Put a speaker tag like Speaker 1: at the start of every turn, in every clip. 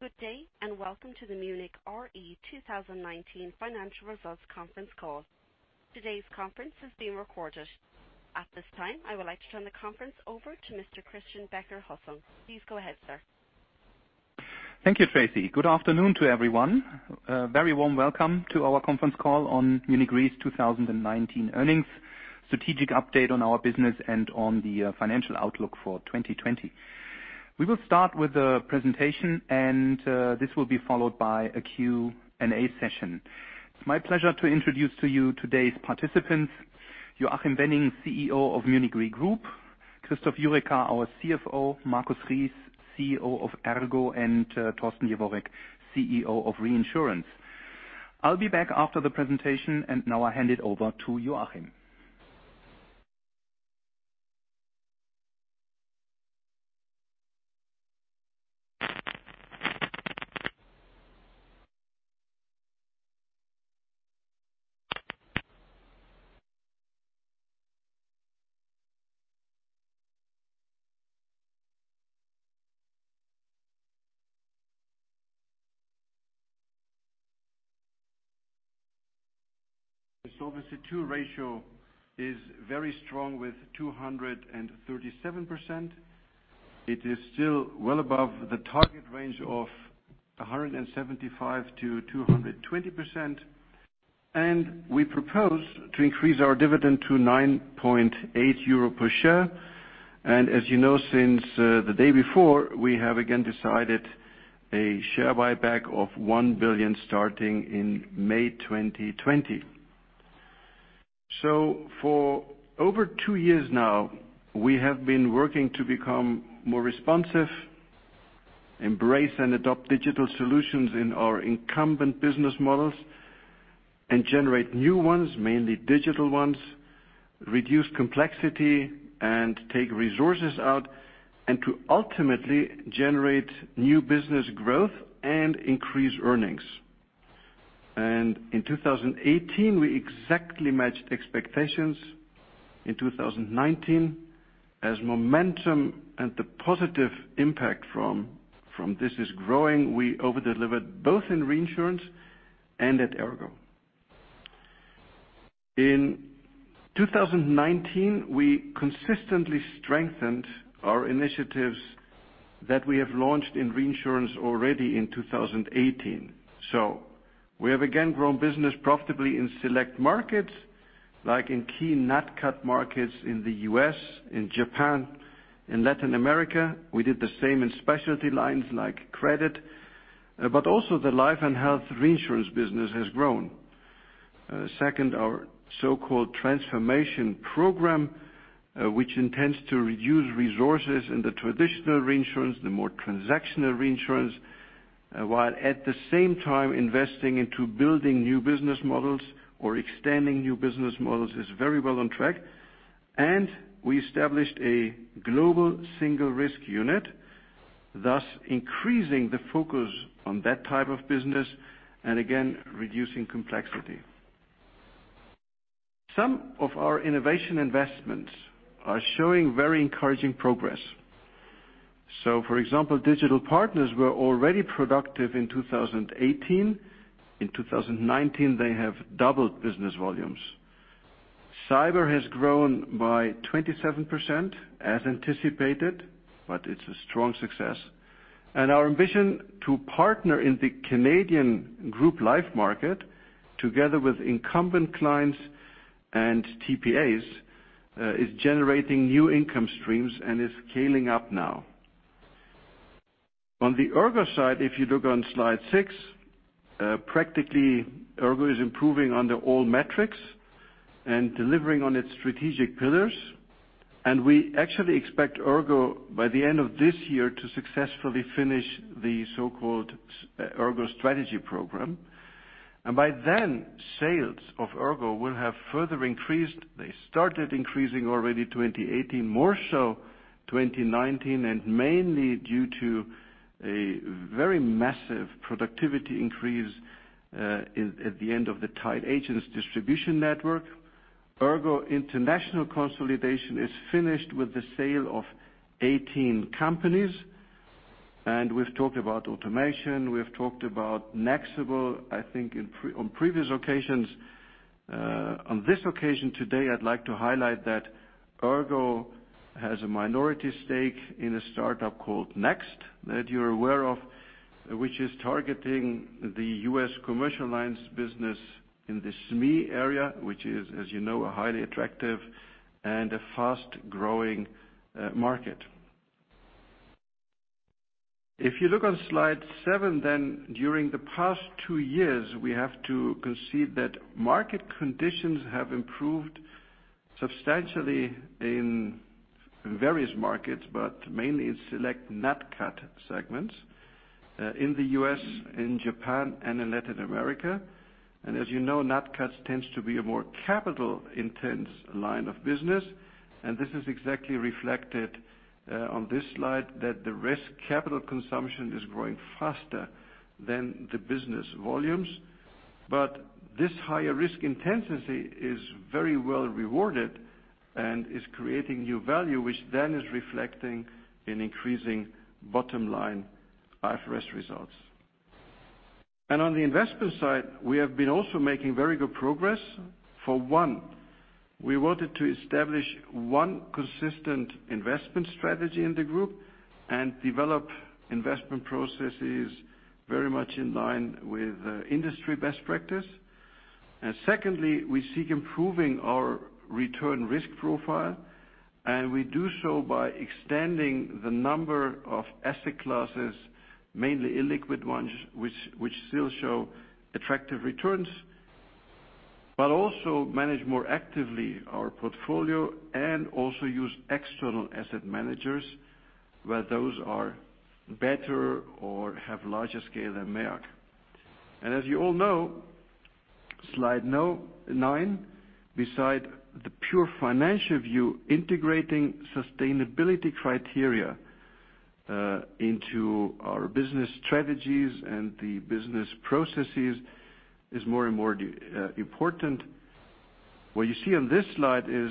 Speaker 1: Good day, and welcome to the Munich Re 2019 financial results conference call. Today's conference is being recorded. At this time, I would like to turn the conference over to Mr. Christian Becker-Hussong. Please go ahead, sir.
Speaker 2: Thank you, Tracy. Good afternoon to everyone. A very warm welcome to our conference call on Munich Re's 2019 earnings, strategic update on our business and on the financial outlook for 2020. We will start with a presentation, and this will be followed by a Q&A session. It's my pleasure to introduce to you today's participants, Joachim Wenning, CEO of Munich Re Group, Christoph Jurecka, our CFO, Markus Rieß, CEO of ERGO, and Torsten Jeworrek, CEO of Reinsurance. I'll be back after the presentation, and now I hand it over to Joachim.
Speaker 3: The Solvency II ratio is very strong with 237%. It is still well above the target range of 175%-220%. We propose to increase our dividend to 9.80 euro per share. As you know, since the day before, we have again decided a share buyback of 1 billion starting in May 2020. For over two years now, we have been working to become more responsive, embrace and adopt Digital Solutions in our incumbent business models, and generate new ones, mainly digital ones, reduce complexity, and take resources out, and to ultimately generate new business growth and increase earnings. In 2018, we exactly matched expectations. In 2019, as momentum and the positive impact from this is growing, we over-delivered both in Reinsurance and at ERGO. In 2019, we consistently strengthened our initiatives that we have launched in Reinsurance already in 2018. We have again grown business profitably in select markets, like in key NatCat markets in the U.S., in Japan, in Latin America. We did the same in specialty lines like credit. Also the Life and Health reinsurance business has grown. Second, our so-called transformation program, which intends to reduce resources in the traditional reinsurance, the more transactional reinsurance, while at the same time investing into building new business models or extending new business models, is very well on track. We established a Global Single Risk Unit, thus increasing the focus on that type of business and again, reducing complexity. Some of our innovation investments are showing very encouraging progress. For example, Digital Partners were already productive in 2018. In 2019, they have doubled business volumes. Cyber has grown by 27%, as anticipated, but it's a strong success. Our ambition to partner in the Canadian group life market together with incumbent clients and TPAs, is generating new income streams and is scaling up now. On the ERGO side, if you look on slide six, practically, ERGO is improving under all metrics and delivering on its strategic pillars. We actually expect ERGO, by the end of this year, to successfully finish the so-called ERGO Strategy Programme. By then, sales of ERGO will have further increased. They started increasing already 2018, more so 2019, and mainly due to a very massive productivity increase, at the end of the tied agents distribution network. ERGO international consolidation is finished with the sale of 18 companies. We've talked about automation, we've talked about Nexible, I think on previous occasions. On this occasion today, I'd like to highlight that ERGO has a minority stake in a startup called Next Insurance, that you're aware of, which is targeting the U.S. commercial lines business in the SME area, which is, as you know, a highly attractive and a fast-growing market. If you look on slide seven, during the past two years, we have to concede that market conditions have improved substantially in various markets, mainly in select NatCat segments, in the U.S., in Japan, and in Latin America. As you know, NatCat tends to be a more capital-intense line of business. This is exactly reflected on this slide, that the risk capital consumption is growing faster than the business volumes. This higher risk intensity is very well rewarded and is creating new value, which then is reflecting in increasing bottom-line IFRS results. On the investment side, we have been also making very good progress. For one, we wanted to establish one consistent investment strategy in the Group and develop investment processes very much in line with industry best practice. Secondly, we seek improving our return risk profile, and we do so by extending the number of asset classes, mainly illiquid ones, which still show attractive returns, but also manage more actively our portfolio and also use external asset managers where those are better or have larger scale than MEAG. As you all know, slide nine, beside the pure financial view, integrating sustainability criteria into our business strategies and the business processes is more and more important. What you see on this slide is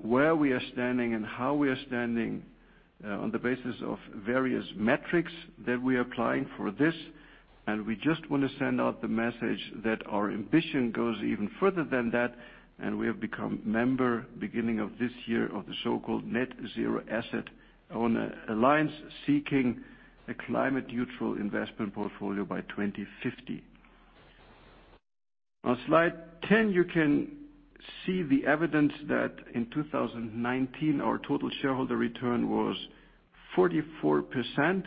Speaker 3: where we are standing and how we are standing on the basis of various metrics that we are applying for this. We just want to send out the message that our ambition goes even further than that, and we have become member, beginning of this year, of the so-called Net-Zero Asset Owner Alliance, seeking a climate-neutral investment portfolio by 2050. On slide 10, you can see the evidence that in 2019, our total shareholder return was 44%,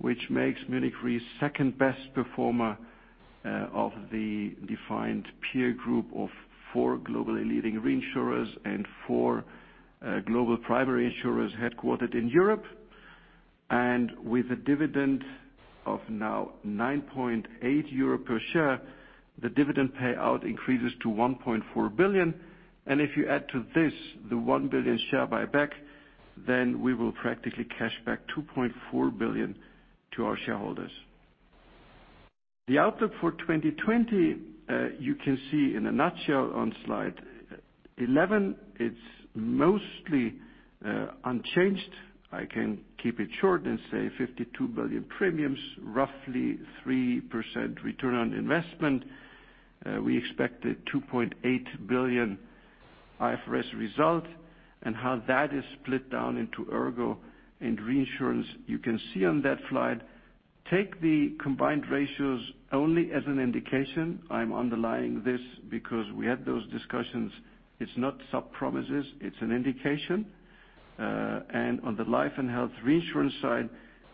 Speaker 3: which makes Munich Re second-best performer of the defined peer group of four globally leading reinsurers and four global primary insurers headquartered in Europe. With a dividend of now 9.8 euro per share, the dividend payout increases to 1.4 billion. If you add to this the 1 billion share buyback, then we will practically cash back 2.4 billion to our shareholders. The outlook for 2020, you can see in a nutshell on slide 11. It's mostly unchanged. I can keep it short and say 52 billion premiums, roughly 3% return on investment. We expect a 2.8 billion IFRS result. How that is split down into ERGO and Reinsurance, you can see on that slide. Take the combined ratios only as an indication. I'm underlying this because we had those discussions. It's not sub-promises. It's an indication. On the Life and Health reinsurance side,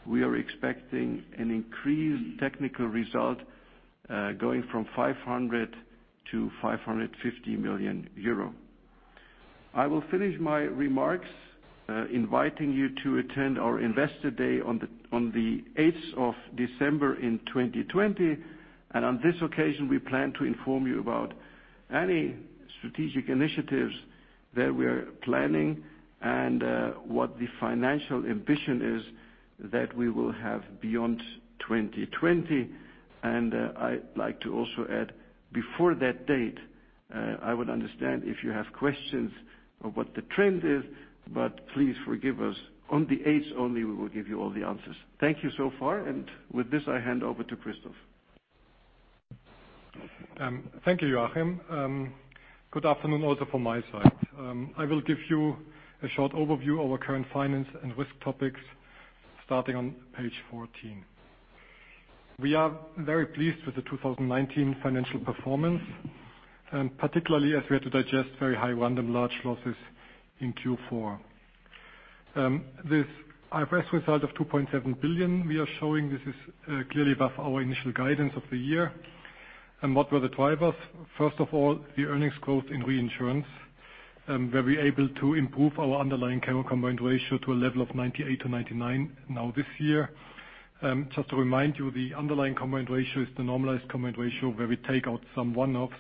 Speaker 3: we are expecting an increased technical result, going from 500 million-550 million euro. I will finish my remarks inviting you to attend our Investor Day on the 8th of December in 2020. On this occasion, we plan to inform you about any strategic initiatives that we are planning and what the financial ambition is that we will have beyond 2020. I'd like to also add, before that date, I would understand if you have questions of what the trend is, but please forgive us. On the 8th of December only, we will give you all the answers. Thank you so far. With this, I hand over to Christoph.
Speaker 4: Thank you, Joachim. Good afternoon also from my side. I will give you a short overview of our current finance and risk topics starting on page 14. We are very pleased with the 2019 financial performance, particularly as we had to digest very high random large losses in Q4. This IFRS result of 2.7 billion we are showing, this is clearly above our initial guidance of the year. What were the drivers? First of all, the earnings growth in Reinsurance, where we able to improve our underlying combined ratio to a level of 98%-99% now this year. Just to remind you, the underlying combined ratio is the normalized combined ratio, where we take out some one-offs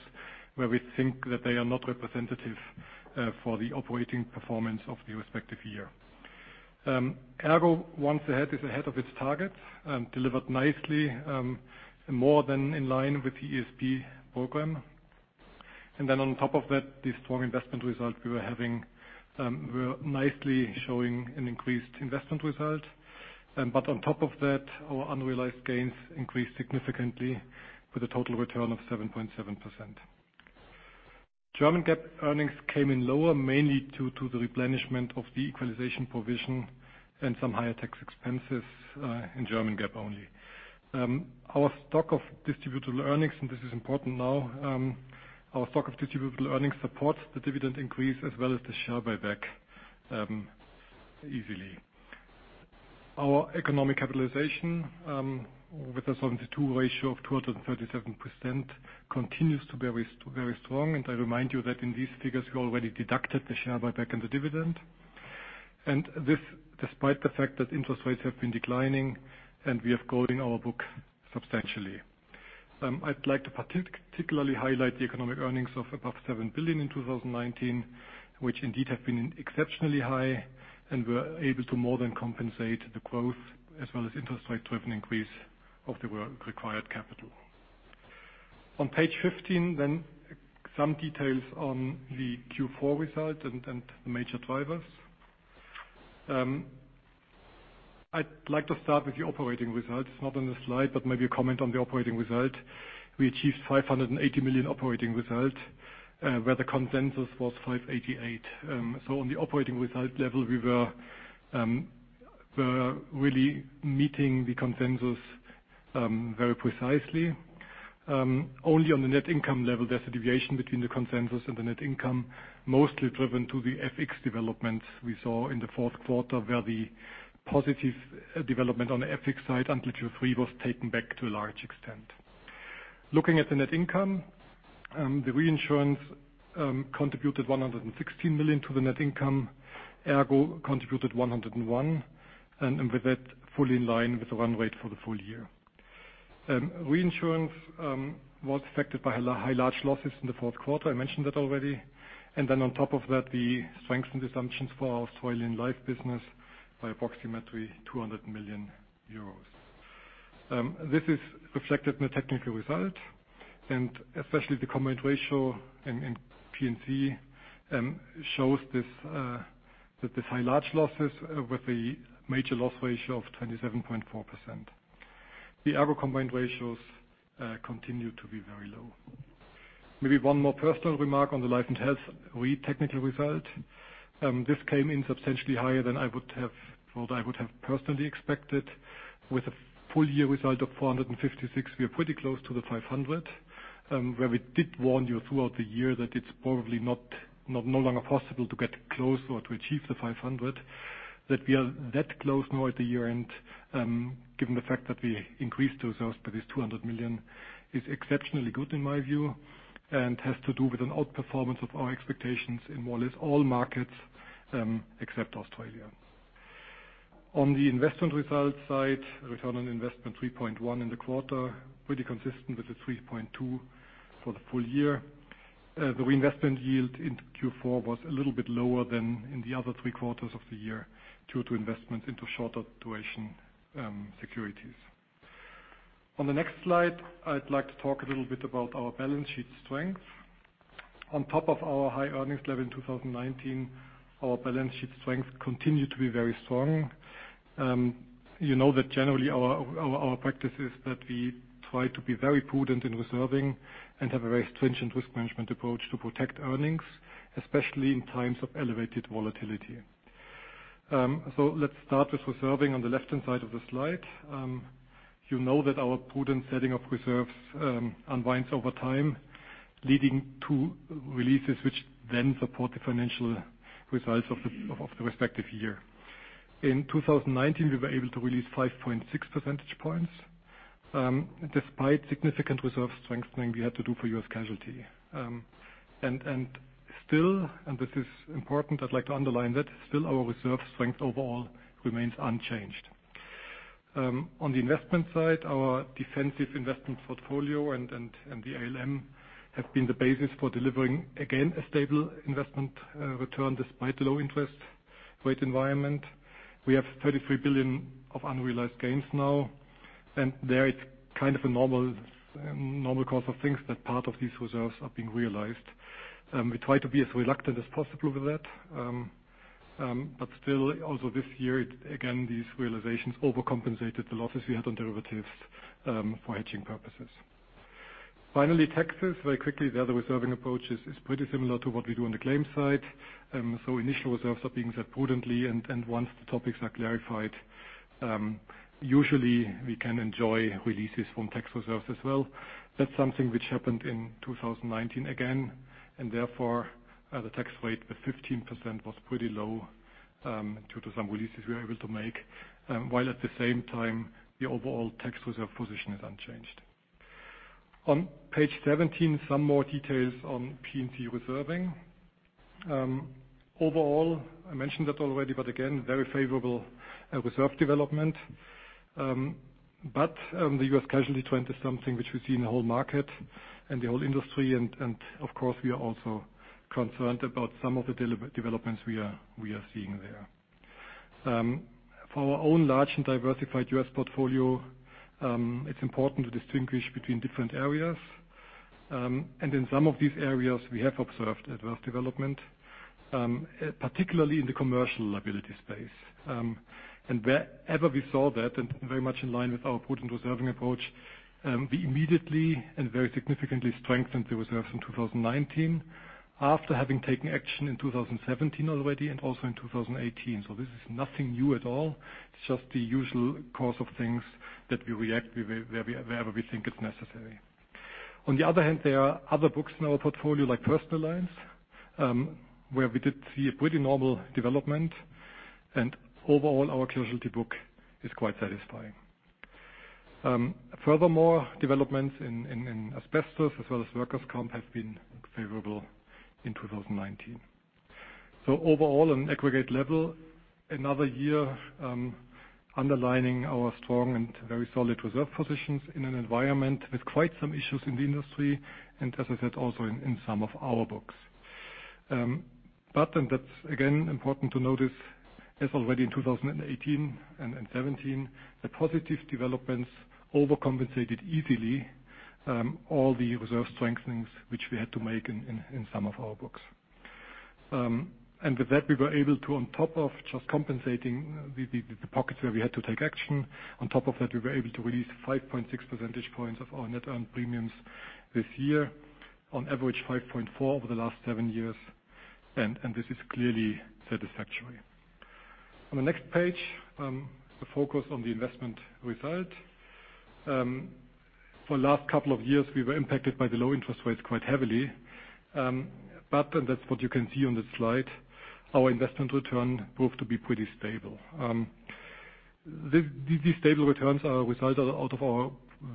Speaker 4: where we think that they are not representative for the operating performance of the respective year. ERGO, once ahead, is ahead of its target, delivered nicely, more than in line with the ESP program. On top of that, the strong investment result we were having were nicely showing an increased investment result. On top of that, our unrealized gains increased significantly with a total return of 7.7%. German GAAP earnings came in lower, mainly due to the replenishment of the equalization provision and some higher tax expenses in German GAAP only. Our stock of distributable earnings, and this is important now, our stock of distributable earnings supports the dividend increase as well as the share buyback easily. Our economic capitalization, with a 72 ratio of 237%, continues to be very strong. I remind you that in these figures, we already deducted the share buyback and the dividend. This despite the fact that interest rates have been declining and we are growing our book substantially. I'd like to particularly highlight the economic earnings of above 7 billion in 2019, which indeed have been exceptionally high and were able to more than compensate the growth as well as interest rate-driven increase of the required capital. On page 15, some details on the Q4 results and the major drivers. I'd like to start with the operating results, not on the slide, but maybe a comment on the operating result. We achieved 580 million operating result, where the consensus was 588 million. On the operating result level, we were really meeting the consensus very precisely. Only on the net income level, there's a deviation between the consensus and the net income, mostly driven to the FX developments we saw in the fourth quarter, where the positive development on the FX side until Q3 was taken back to a large extent. Looking at the net income, the Reinsurance contributed 116 million to the net income. ERGO contributed 101 million. With that, fully in line with the run rate for the full year. Reinsurance was affected by high, large losses in the fourth quarter. I mentioned that already. On top of that, the strengthened assumptions for our Australian life business by approximately 200 million euros. This is reflected in the technical result. Especially the combined ratio in P&C shows that this high large losses with a major loss ratio of 27.4%. The ERGO combined ratios continue to be very low. Maybe one more personal remark on the Life and Health RE technical result. This came in substantially higher than I would have personally expected. With a full-year result of 456, we are pretty close to the 500, where we did warn you throughout the year that it's probably no longer possible to get close or to achieve the 500. That we are that close now at the year-end, given the fact that we increased those by this 200 million, is exceptionally good in my view, and has to do with an outperformance of our expectations in more or less all markets except Australia. On the investment results side, return on investment 3.1% in the quarter, pretty consistent with the 3.2% for the full year. The investment yield in Q4 was a little bit lower than in the other three quarters of the year due to investment into shorter-duration securities. On the next slide, I'd like to talk a little bit about our balance sheet strength. On top of our high earnings level in 2019, our balance sheet strength continued to be very strong. You know that generally our practice is that we try to be very prudent in reserving and have a very stringent risk management approach to protect earnings, especially in times of elevated volatility. Let's start with reserving on the left-hand side of the slide. You know that our prudent setting of reserves unwinds over time, leading to releases which then support the financial results of the respective year. In 2019, we were able to release 5.6 percentage points. Despite significant reserve strengthening we had to do for U.S. casualty. Still, and this is important, I'd like to underline that, still our reserve strength overall remains unchanged. On the investment side, our defensive investment portfolio and the ALM have been the basis for delivering, again, a stable investment return despite the low interest rate environment. We have 33 billion of unrealized gains now. There it's kind of a normal course of things that part of these reserves are being realized. We try to be as reluctant as possible with that. Still, also this year, again, these realizations overcompensated the losses we had on derivatives for hedging purposes. Finally, taxes, very quickly. The other reserving approach is pretty similar to what we do on the claims side. Initial reserves are being set prudently. Once the topics are clarified, usually we can enjoy releases from tax reserves as well. That's something which happened in 2019 again. Therefore, the tax rate, the 15% was pretty low, due to some releases we were able to make. At the same time, the overall tax reserve position is unchanged. On page 17, some more details on P&C reserving. Overall, I mentioned that already, again, very favorable reserve development. The U.S. casualty trend is something which we see in the whole market and the whole industry, and of course, we are also concerned about some of the developments we are seeing there. For our own large and diversified U.S. portfolio, it's important to distinguish between different areas. In some of these areas, we have observed adverse development, particularly in the commercial liability space. Wherever we saw that, and very much in line with our prudent reserving approach, we immediately and very significantly strengthened the reserves in 2019 after having taken action in 2017 already and also in 2018. This is nothing new at all. It's just the usual course of things that we react wherever we think it's necessary. On the other hand, there are other books in our portfolio, like personal lines, where we did see a pretty normal development, and overall, our casualty book is quite satisfying. Furthermore, developments in asbestos as well as workers comp have been favorable in 2019. Overall, on aggregate level, another year underlining our strong and very solid reserve positions in an environment with quite some issues in the industry, and as I said, also in some of our books. That's again important to notice, as already in 2018 and 2017, the positive developments overcompensated easily all the reserve strengthens which we had to make in some of our books. With that, we were able to, on top of just compensating the pockets where we had to take action, on top of that, we were able to release 5.6 percentage points of our net earned premiums this year. On average, 5.4 over the last seven years. This is clearly satisfactory. On the next page, the focus on the investment result. For the last couple of years, we were impacted by the low interest rates quite heavily. That's what you can see on the slide, our investment return proved to be pretty stable. These stable returns are a result of our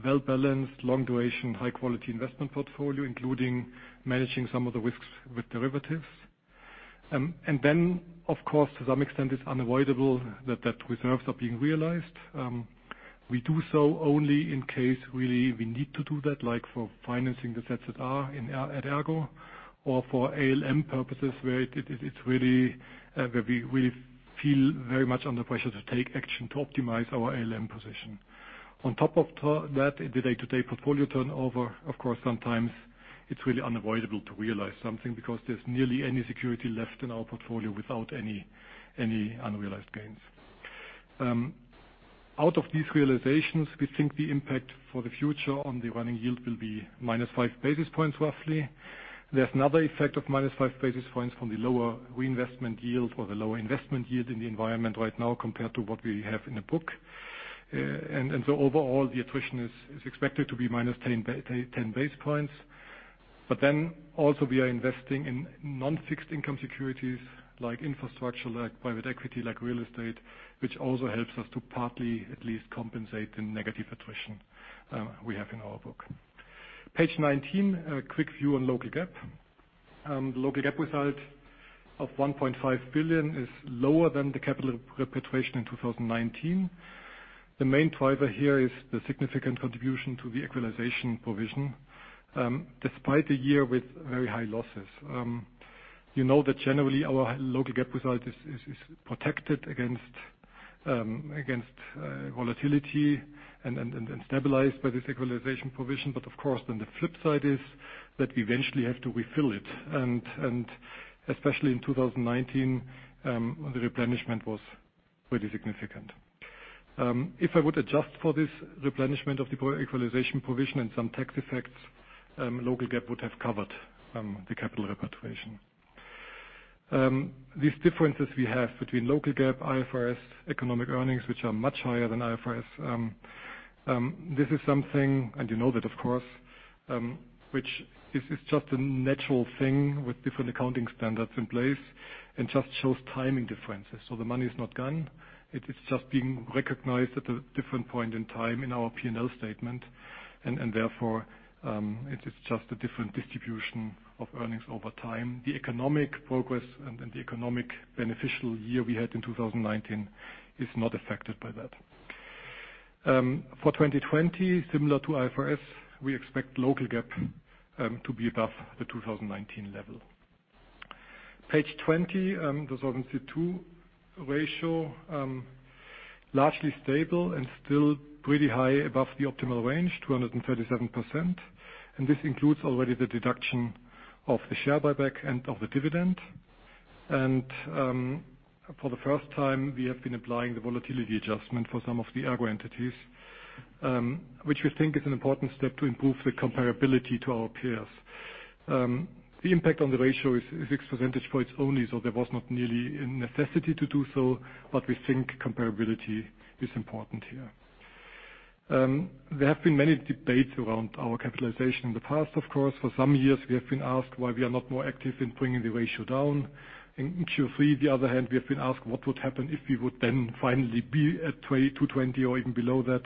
Speaker 4: well-balanced, long-duration, high-quality investment portfolio, including managing some of the risks with derivatives. Then, of course, to some extent it's unavoidable that reserves are being realized. We do so only in case, really, we need to do that, like for financing the ZZR at ERGO, or for ALM purposes, where we feel very much under pressure to take action to optimize our ALM position. On top of that, in the day-to-day portfolio turnover, of course, sometimes it's really unavoidable to realize something, because there's nearly any security left in our portfolio without any unrealized gains. Out of these realizations, we think the impact for the future on the running yield will be -5 basis points, roughly. There's another effect of -5 basis points from the lower reinvestment yield or the lower investment yield in the environment right now compared to what we have in the book. Overall, the attrition is expected to be -10 basis points. Also we are investing in non-fixed income securities like infrastructure, like private equity, like real estate, which also helps us to partly at least compensate the negative attrition we have in our book. Page 19, a quick view on local GAAP. Local GAAP result of 1.5 billion is lower than the capital repatriation in 2019. The main driver here is the significant contribution to the equalization provision, despite a year with very high losses. You know that generally our local GAAP result is protected against volatility and then stabilized by this equalization provision. Of course, the flip side is that we eventually have to refill it. Especially in 2019, the replenishment was pretty significant. If I would adjust for this replenishment of the equalization provision and some tax effects, local GAAP would have covered the capital repatriation. These differences we have between local GAAP, IFRS, economic earnings, which are much higher than IFRS. This is something, you know that, of course, which is just a natural thing with different accounting standards in place and just shows timing differences. The money is not gone. It's just being recognized at a different point in time in our P&L statement, therefore, it is just a different distribution of earnings over time. The economic progress and the economic beneficial year we had in 2019 is not affected by that. For 2020, similar to IFRS, we expect local GAAP to be above the 2019 level. Page 20, the Solvency II ratio. Largely stable and still pretty high above the optimal range, 237%. This includes already the deduction of the share buyback and of the dividend. For the first time, we have been applying the volatility adjustment for some of the ERGO entities, which we think is an important step to improve the comparability to our peers. The impact on the ratio is 6 percentage points only, there was not really a necessity to do so, we think comparability is important here. There have been many debates around our capitalization in the past, of course. For some years, we have been asked why we are not more active in bringing the ratio down. In Q3, the other hand, we have been asked what would happen if we would then finally be at 220 or even below that.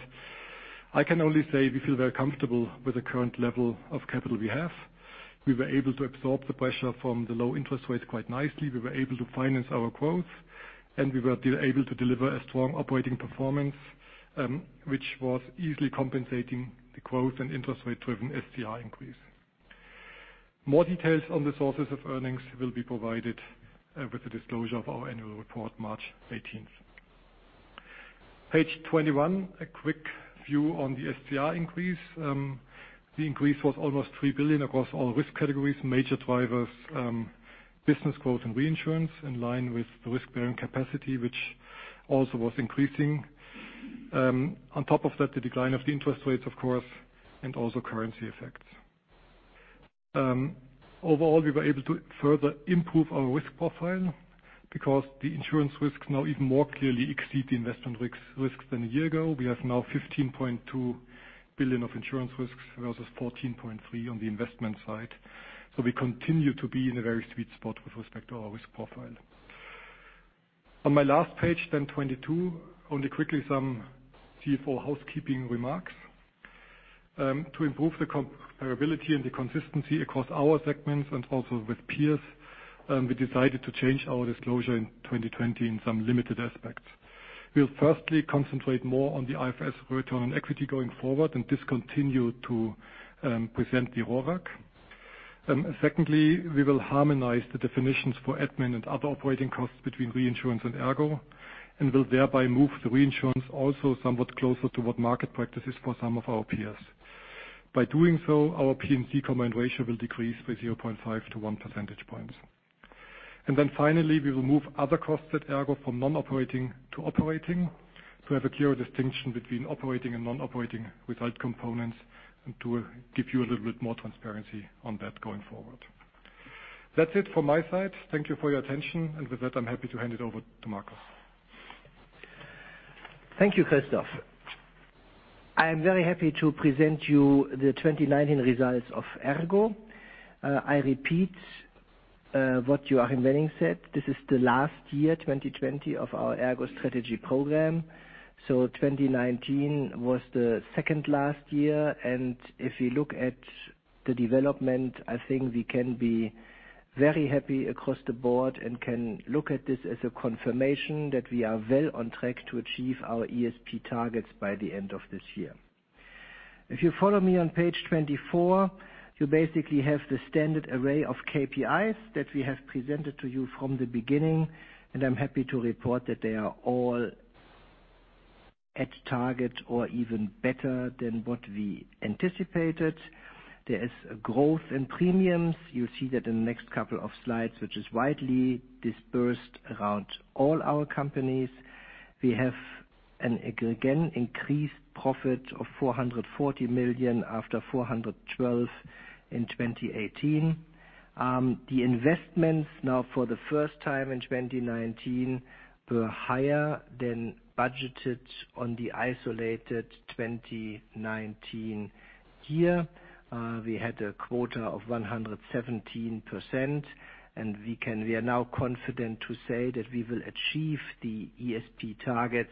Speaker 4: I can only say we feel very comfortable with the current level of capital we have. We were able to absorb the pressure from the low interest rates quite nicely. We were able to finance our growth, we were able to deliver a strong operating performance, which was easily compensating the growth and interest rate-driven SCR increase. More details on the sources of earnings will be provided with the disclosure of our annual report March 18th. Page 21. A quick view on the SCR increase. The increase was almost 3 billion across all risk CATegories. Major drivers, business growth and Reinsurance, in line with the risk-bearing capacity, which also was increasing. On top of that, the decline of the interest rates, of course, and also currency effects. Overall, we were able to further improve our risk profile because the insurance risks now even more clearly exceed the investment risks than a year ago. We have now 15.2 billion of insurance risks versus 14.3 billion on the investment side. We continue to be in a very sweet spot with respect to our risk profile. On my last page, 22, only quickly some CFO housekeeping remarks. To improve the comparability and the consistency across our segments and also with peers, we decided to change our disclosure in 2020 in some limited aspects. We'll firstly concentrate more on the IFRS return on equity going forward and discontinue to present the RoRAC. Secondly, we will harmonize the definitions for admin and other operating costs between Reinsurance and ERGO, and will thereby move the Reinsurance also somewhat closer to what market practice is for some of our peers. By doing so, our P&C combined ratio will decrease by 0.5-1 percentage point. Then finally, we will move other costs at ERGO from non-operating to operating to have a clear distinction between operating and non-operating without components, and to give you a little bit more transparency on that going forward. That's it from my side. Thank you for your attention. With that, I'm happy to hand it over to Markus.
Speaker 5: Thank you, Christoph. I am very happy to present you the 2019 results of ERGO. I repeat what Joachim Wenning said. This is the last year, 2020, of our ERGO Strategy Program. 2019 was the second last year. If you look at the development, I think we can be very happy across the board and can look at this as a confirmation that we are well on track to achieve our ESP targets by the end of this year. If you follow me on page 24, you basically have the standard array of KPIs that we have presented to you from the beginning, I'm happy to report that they are all at target or even better than what we anticipated. There is a growth in premiums. You see that in the next couple of slides, which is widely dispersed around all our companies. We have again increased profit of 440 million after 412 million in 2018. The investments now for the first time in 2019, were higher than budgeted on the isolated 2019 year. We had a quota of 117%. We are now confident to say that we will achieve the ESP targets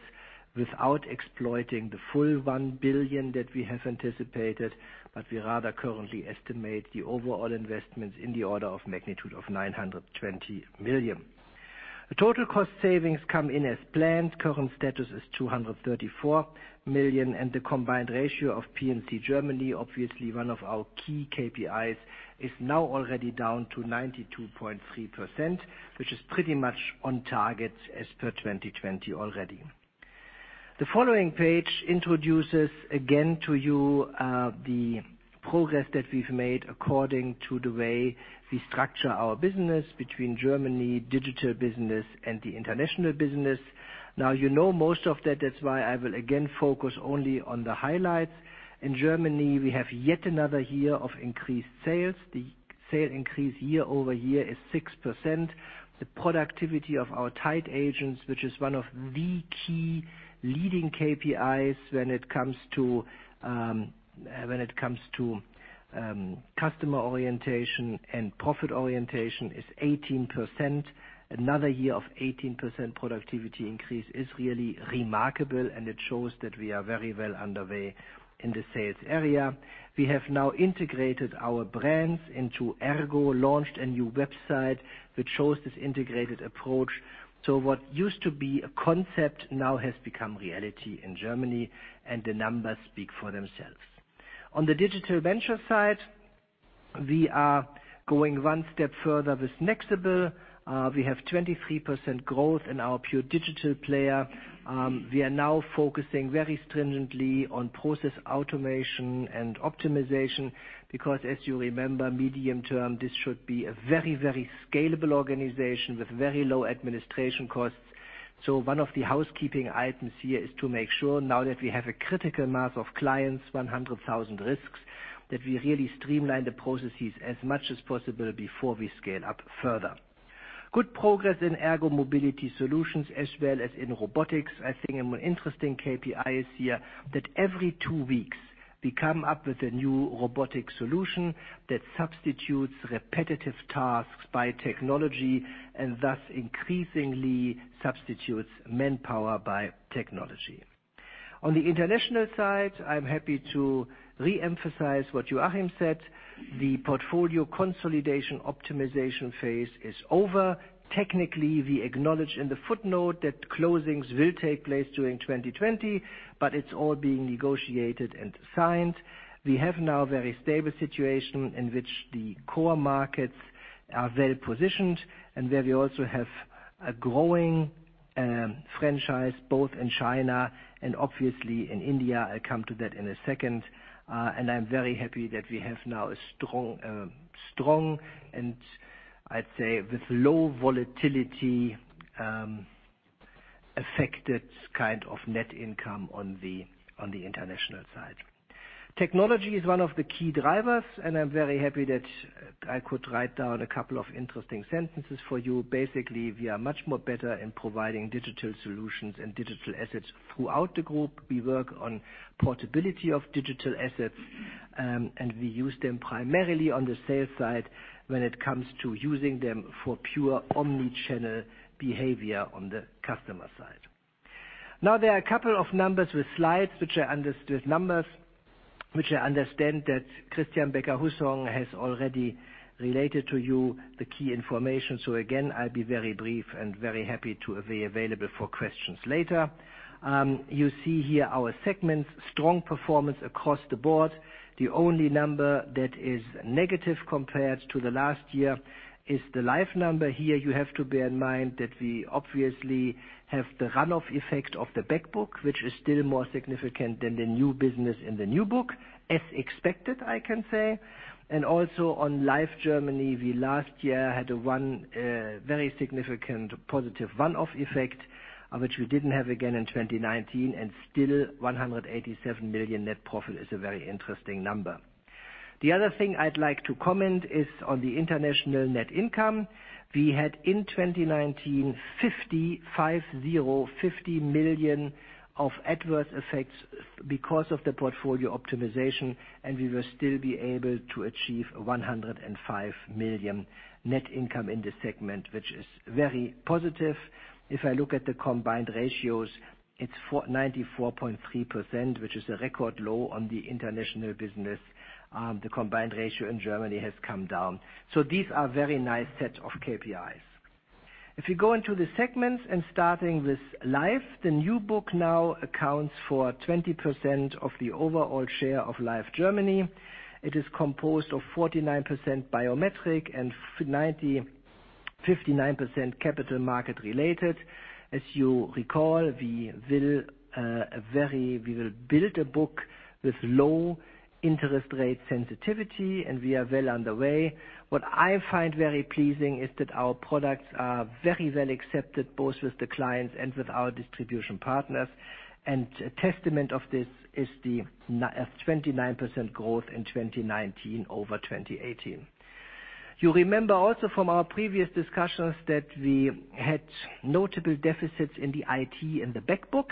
Speaker 5: without exploiting the full 1 billion that we have anticipated. We rather currently estimate the overall investments in the order of magnitude of 920 million. The total cost savings come in as planned. Current status is 234 million. The combined ratio of P&C Germany, obviously one of our key KPIs, is now already down to 92.3%, which is pretty much on target as per 2020 already. The following page introduces again to you the progress that we've made according to the way we structure our business between Germany, digital business, and the international business. Now you know most of that. I will again focus only on the highlights. In Germany, we have yet another year of increased sales. The sale increase year-over-year is 6%. The productivity of our tied agents, which is one of the key leading KPIs when it comes to customer orientation and profit orientation, is 18%. Another year of 18% productivity increase is really remarkable. It shows that we are very well underway in the sales area. We have now integrated our brands into ERGO, launched a new website, which shows this integrated approach. What used to be a concept now has become reality in Germany. The numbers speak for themselves. On the digital venture side, we are going one step further with Nexible. We have 23% growth in our pure digital player. We are now focusing very stringently on process automation and optimization because, as you remember, medium term, this should be a very scalable organization with very low administration costs. One of the housekeeping items here is to make sure now that we have a critical mass of clients, 100,000 risks, that we really streamline the processes as much as possible before we scale up further. Good progress in ERGO Mobility Solutions as well as in robotics. I think an interesting KPI is here that every two weeks we come up with a new robotic solution that substitutes repetitive tasks by technology and thus increasingly substitutes manpower by technology. On the international side, I'm happy to reemphasize what Joachim said. The portfolio consolidation optimization phase is over. Technically, we acknowledge in the footnote that closings will take place during 2020, but it's all being negotiated and signed. We have now a very stable situation in which the core markets are well-positioned and where we also have a growing franchise both in China and obviously in India. I'll come to that in a second. I'm very happy that we have now a strong, and I'd say with low volatility, affected kind of net income on the international side. Technology is one of the key drivers, and I'm very happy that I could write down a couple of interesting sentences for you. Basically, we are much more better in providing Digital Solutions and digital assets throughout the Group. We work on portability of digital assets, and we use them primarily on the sales side when it comes to using them for pure omnichannel behavior on the customer side. There are a couple of numbers with slides, which I understand that Christian Becker-Hussong has already related to you the key information. Again, I'll be very brief and very happy to be available for questions later. You see here our segments, strong performance across the Board. The only number that is negative compared to the last year is the life number. Here, you have to bear in mind that we obviously have the runoff effect of the back book, which is still more significant than the new business in the new book, as expected, I can say. Also on Life Germany, we last year had one very significant positive one-off effect, which we didn't have again in 2019, and still 187 million net profit is a very interesting number. The other thing I'd like to comment is on the international net income. We had in 2019, 50 million of adverse effects because of the portfolio optimization, and we will still be able to achieve 105 million net income in this segment, which is very positive. If I look at the combined ratios, it's 94.3%, which is a record low on the international business. The combined ratio in Germany has come down. These are very nice set of KPIs. If you go into the segments and starting with Life, the new book now accounts for 20% of the overall share of Life Germany. It is composed of 49% biometric and 59% capital market-related. As you recall, we will build a book with low interest rate sensitivity, and we are well underway. What I find very pleasing is that our products are very well accepted, both with the clients and with our distribution partners. A testament of this is the 29% growth in 2019 over 2018. You remember also from our previous discussions that we had notable deficits in the IT in the back book,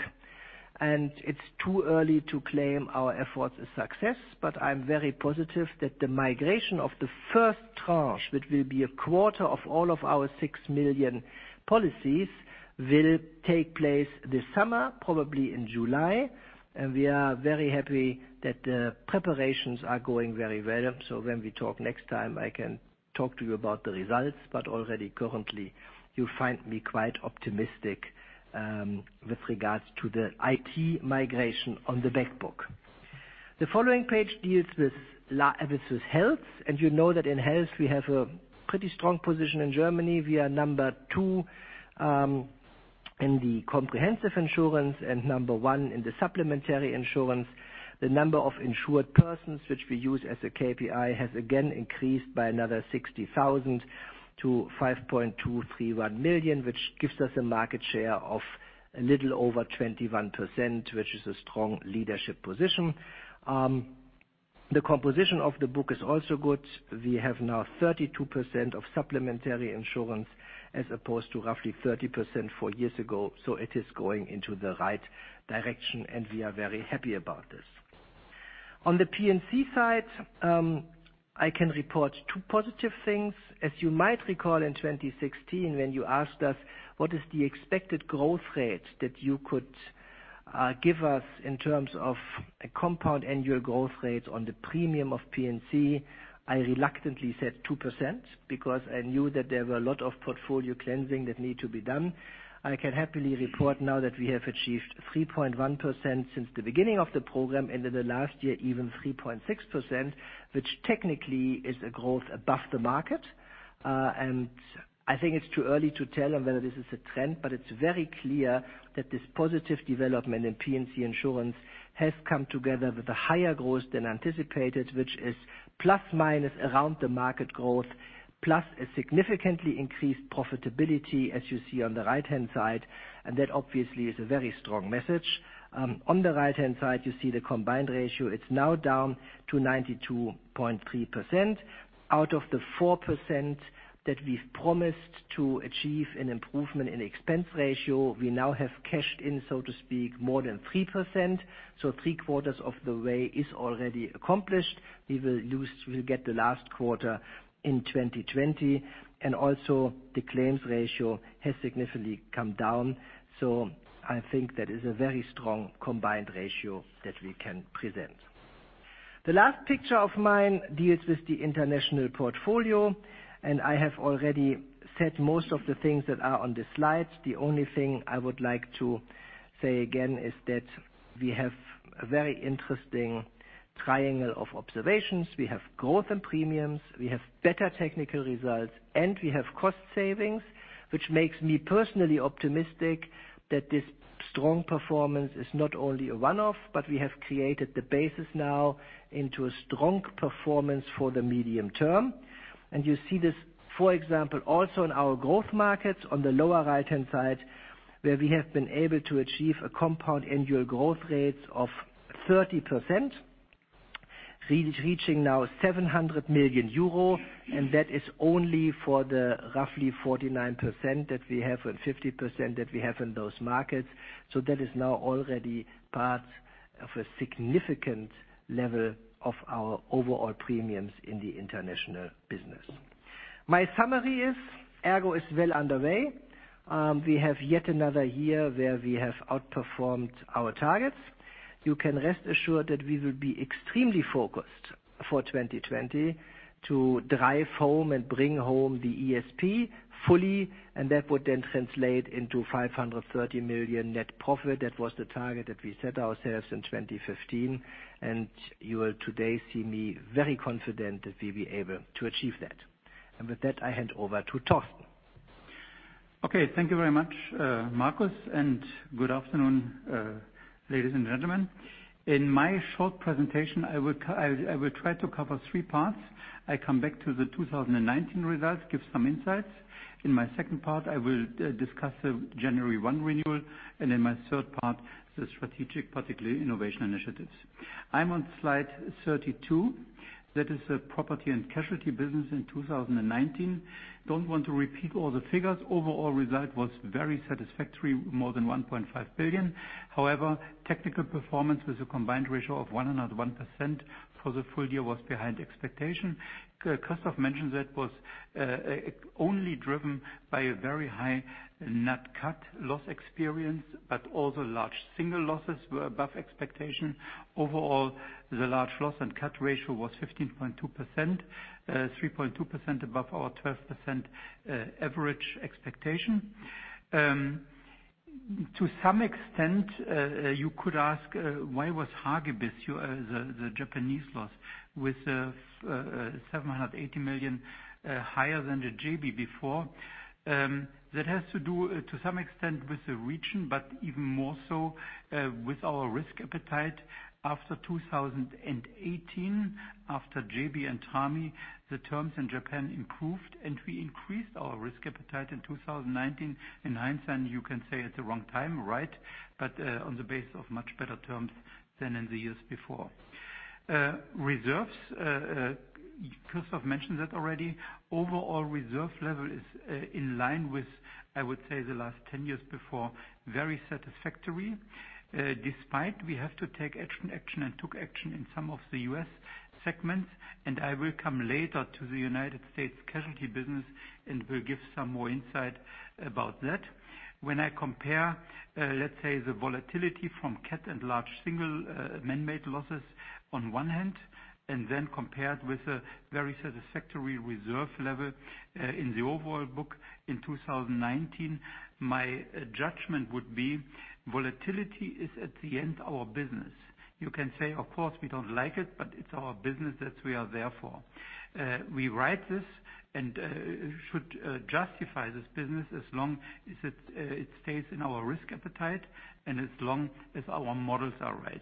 Speaker 5: and it's too early to claim our efforts a success, but I'm very positive that the migration of the first tranche, which will be a quarter of all of our 6 million policies, will take place this summer, probably in July. We are very happy that the preparations are going very well. When we talk next time, I can talk to you about the results. Already currently, you find me quite optimistic, with regards to the IT migration on the back book. The following page deals with health. You know that in health, we have a pretty strong position in Germany. We are number two in the comprehensive insurance and number one in the supplementary insurance. The number of insured persons, which we use as a KPI, has again increased by another 60,000-5.231 million, which gives us a market share of a little over 21%, which is a strong leadership position. The composition of the book is also good. We have now 32% of supplementary insurance as opposed to roughly 30% four years ago. It is going into the right direction, and we are very happy about this. On the P&C side, I can report two positive things. As you might recall in 2016, when you asked us, what is the expected growth rate that you could give us in terms of a compound annual growth rate on the premium of P&C. I reluctantly said 2% because I knew that there were a lot of portfolio cleansing that need to be done. I can happily report now that we have achieved 3.1% since the beginning of the program, and in the last year, even 3.6%, which technically is a growth above the market. I think it's too early to tell on whether this is a trend, but it's very clear that this positive development in P&C insurance has come together with a higher growth than anticipated, which is plus/minus around the market growth, plus a significantly increased profitability, as you see on the right-hand side. That obviously is a very strong message. On the right-hand side, you see the combined ratio. It's now down to 92.3%. Out of the 4% that we've promised to achieve an improvement in expense ratio. We now have cashed in, so to speak, more than 3%. Three-quarters of the way is already accomplished. We will get the last quarter in 2020. Also, the claims ratio has significantly come down. I think that is a very strong combined ratio that we can present. The last picture of mine deals with the international portfolio, and I have already said most of the things that are on this slide. The only thing I would like to say again is that we have a very interesting triangle of observations. We have growth in premiums, we have better technical results, and we have cost savings, which makes me personally optimistic that this strong performance is not only a one-off, but we have created the basis now into a strong performance for the medium term. You see this, for example, also in our growth markets on the lower right-hand side, where we have been able to achieve a compound annual growth rate of 30%, reaching now 700 million euro. That is only for the roughly 49% that we have and 50% that we have in those markets. That is now already part of a significant level of our overall premiums in the international business. My summary is ERGO is well underway. We have yet another year where we have outperformed our targets. You can rest assured that we will be extremely focused for 2020 to drive home and bring home the ESP fully, and that would then translate into 530 million net profit. That was the target that we set ourselves in 2015, and you will today see me very confident that we'll be able to achieve that. With that, I hand over to Torsten.
Speaker 6: Okay. Thank you very much, Markus, good afternoon, ladies and gentlemen. In my short presentation, I will try to cover three parts. I come back to the 2019 results, give some insights. In my second part, I will discuss the January 1 renewal, in my third part, the strategic, particularly innovation initiatives. I'm on slide 32. That is the property and casualty business in 2019. Don't want to repeat all the figures. Overall result was very satisfactory, more than 1.5 billion. However, technical performance with a combined ratio of 101% for the full year was behind expectation. Christoph mentioned that was only driven by a very high NatCat loss experience, also large single losses were above expectation. Overall, the large loss NatCat ratio was 15.2%, 3.2% above our 12% average expectation. To some extent, you could ask, why was Hagibis, the Japanese loss with 780 million higher than the Jebi before? That has to do to some extent with the region. Even more so, with our risk appetite. After 2018, after Jebi and Trami, the terms in Japan improved. We increased our risk appetite in 2019. In hindsight, you can say at the wrong time, right. On the base of much better terms than in the years before. Reserves, Christoph mentioned that already. Overall reserve level is in line with, I would say, the last 10 years before, very satisfactory. Despite we have to take action and took action in some of the U.S. segments. I will come later to the United States casualty business and will give some more insight about that. When I compare, let's say, the volatility from CAT and large single man-made losses on one hand, and then compared with a very satisfactory reserve level in the overall book in 2019, my judgment would be volatility is at the end our business. You can say, of course, we don't like it, but it's our business that we are there for. We ride this and should justify this business as long as it stays in our risk appetite and as long as our models are right.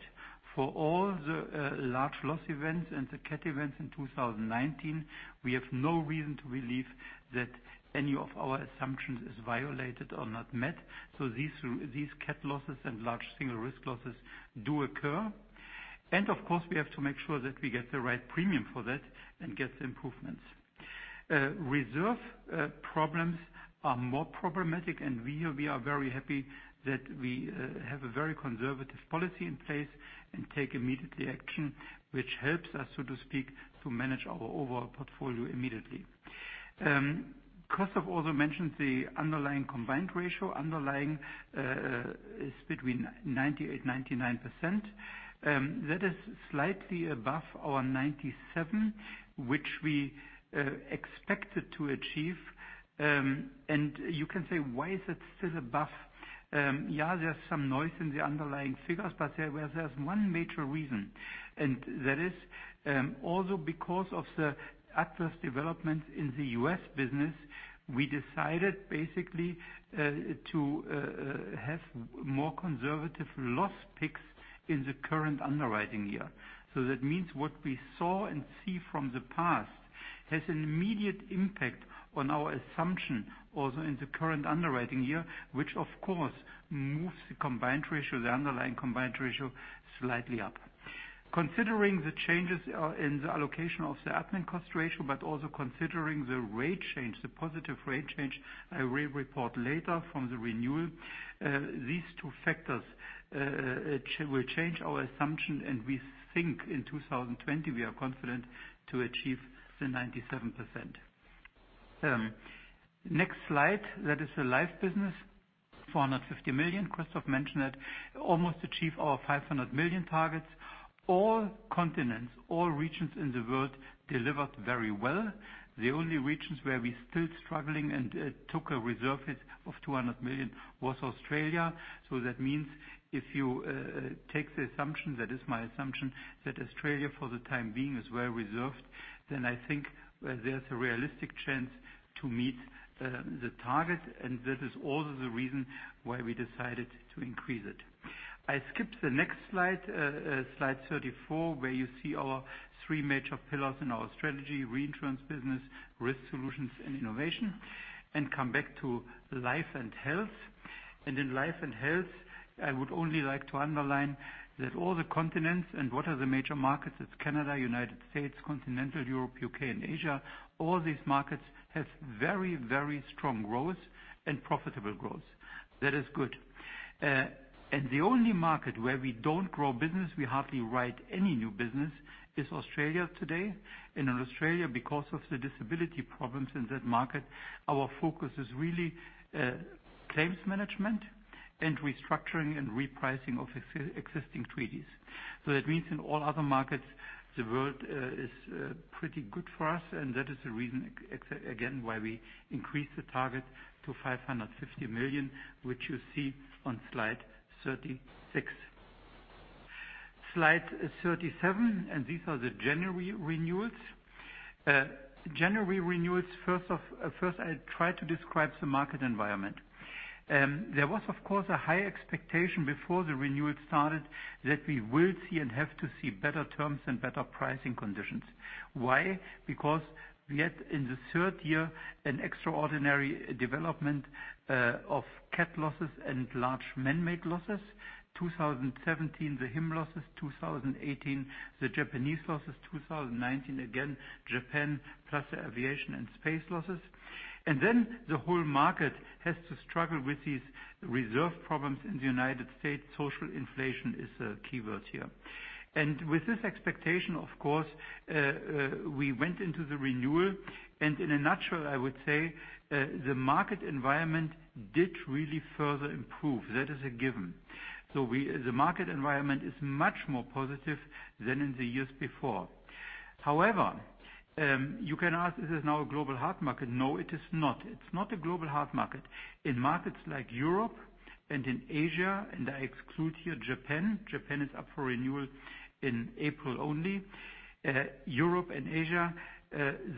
Speaker 6: For all the large loss events and the CAT events in 2019, we have no reason to believe that any of our assumptions is violated or not met. These CAT losses and large single risk losses do occur. Of course, we have to make sure that we get the right premium for that and get the improvements. Reserve problems are more problematic, and we are very happy that we have a very conservative policy in place and take immediately action, which helps us, so to speak, to manage our overall portfolio immediately. Christoph also mentioned the underlying combined ratio. Underlying, is between 98%-99%. That is slightly above our 97%, which we expected to achieve. You can say, why is it still above? Yeah, there's some noise in the underlying figures, but there's one major reason. That is, also because of the adverse development in the U.S. business, we decided basically, to have more conservative loss picks in the current underwriting year. That means what we saw and see from the past has an immediate impact on our assumption also in the current underwriting year, which of course, moves the combined ratio, the underlying combined ratio, slightly up. Considering the changes in the allocation of the admin cost ratio, but also considering the rate change, the positive rate change, I will report later from the renewal. These two factors will change our assumption, and we think in 2020, we are confident to achieve the 97%. Next slide, that is the life business, 450 million. Christoph mentioned that. Almost achieve our 500 million targets. All continents, all regions in the world delivered very well. The only regions where we still struggling and took a reserve hit of 200 million was Australia. That means if you take the assumption, that is my assumption, that Australia for the time being is well reserved, then I think there's a realistic chance to meet the target, and that is also the reason why we decided to increase it. I skip the next slide 34, where you see our three major pillars in our strategy, Reinsurance business, risk solutions, and innovation, and come back to Life and Health. In Life and Health, I would only like to underline that all the continents and what are the major markets is Canada, United States, Continental Europe, U.K., and Asia. All these markets have very, very strong growth and profitable growth. That is good. The only market where we don't grow business, we hardly write any new business, is Australia today. In Australia, because of the disability problems in that market, our focus is really claims management and restructuring and repricing of existing treaties. That means in all other markets, the world is pretty good for us, and that is the reason, again, why we increased the target to 550 million, which you see on slide 36. Slide 37, these are the January renewals. January renewals, first I try to describe the market environment. There was, of course, a high expectation before the renewal started that we will see and have to see better terms and better pricing conditions. Why? Because we had, in the third year, an extraordinary development of CAT losses and large manmade losses. 2017, the HIM losses, 2018, the Japanese losses, 2019, again, Japan plus the aviation and space losses. The whole market has to struggle with these reserve problems in the United States Social inflation is a key word here. With this expectation, of course, we went into the renewal, and in a nutshell, I would say the market environment did really further improve. That is a given. The market environment is much more positive than in the years before. However, you can ask, is this now a global hard market? No, it is not. It's not a global hard market. In markets like Europe and in Asia, I exclude here Japan is up for renewal in April only. Europe and Asia,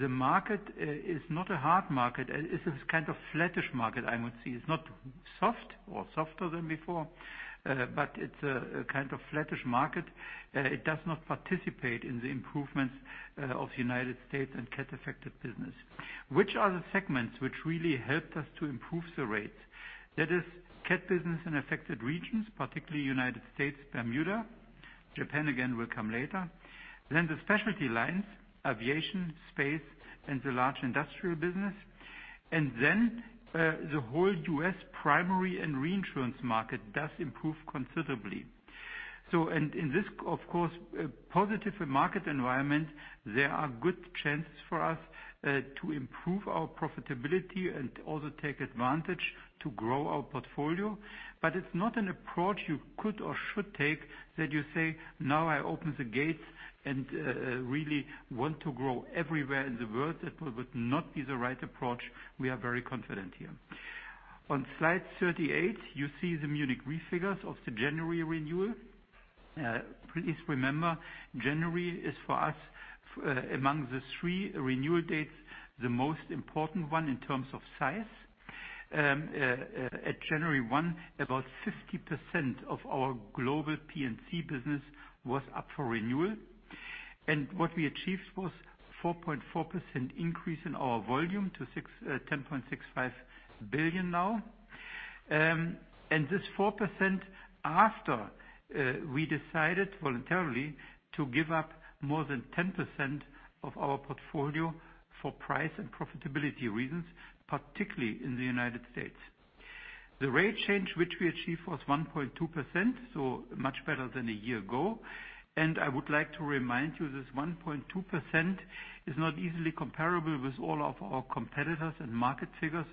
Speaker 6: the market is not a hard market. It's a kind of flattish market, I would say. It's not soft or softer than before, but it's a kind of flattish market. It does not participate in the improvements of the United States and the CAT-affected business. Which are the segments which really helped us to improve the rate? That is CAT business in affected regions, particularly United States, Bermuda. Japan, again, will come later. The specialty lines, aviation, space, and the large industrial business. The whole U.S. primary and Reinsurance market does improve considerably. In this, of course, positive market environment, there are good chances for us to improve our profitability and also take advantage to grow our portfolio. It's not an approach you could or should take that you say, "Now I open the gates and really want to grow everywhere in the world." That would not be the right approach. We are very confident here. On slide 38, you see the Munich Re figures of the January renewal. Please remember, January is, for us, among the three renewal dates, the most important one in terms of size. At January 1, about 50% of our global P&C business was up for renewal. What we achieved was 4.4% increase in our volume to 10.65 billion now. This 4% after we decided voluntarily to give up more than 10% of our portfolio for price and profitability reasons, particularly in the United States. The rate change which we achieved was 1.2%, so much better than a year ago. I would like to remind you this 1.2% is not easily comparable with all of our competitors and market figures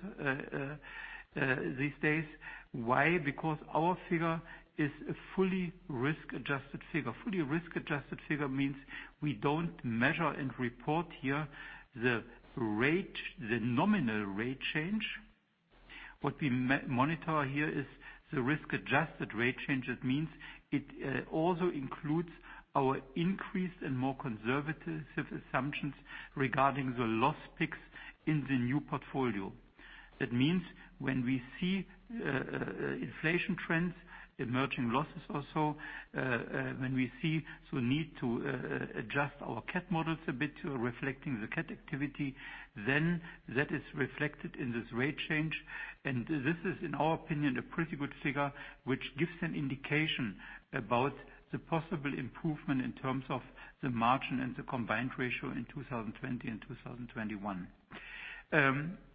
Speaker 6: these days. Why? Because our figure is a fully risk-adjusted figure. Fully risk-adjusted figure means we don't measure and report here the nominal rate change. What we monitor here is the risk-adjusted rate change. That means it also includes our increased and more conservative assumptions regarding the loss picks in the new portfolio. That means when we see inflation trends, emerging losses also, when we see, so need to adjust our CAT models a bit to reflecting the CAT activity, then that is reflected in this rate change. This is, in our opinion, a pretty good figure, which gives an indication about the possible improvement in terms of the margin and the combined ratio in 2020 and 2021.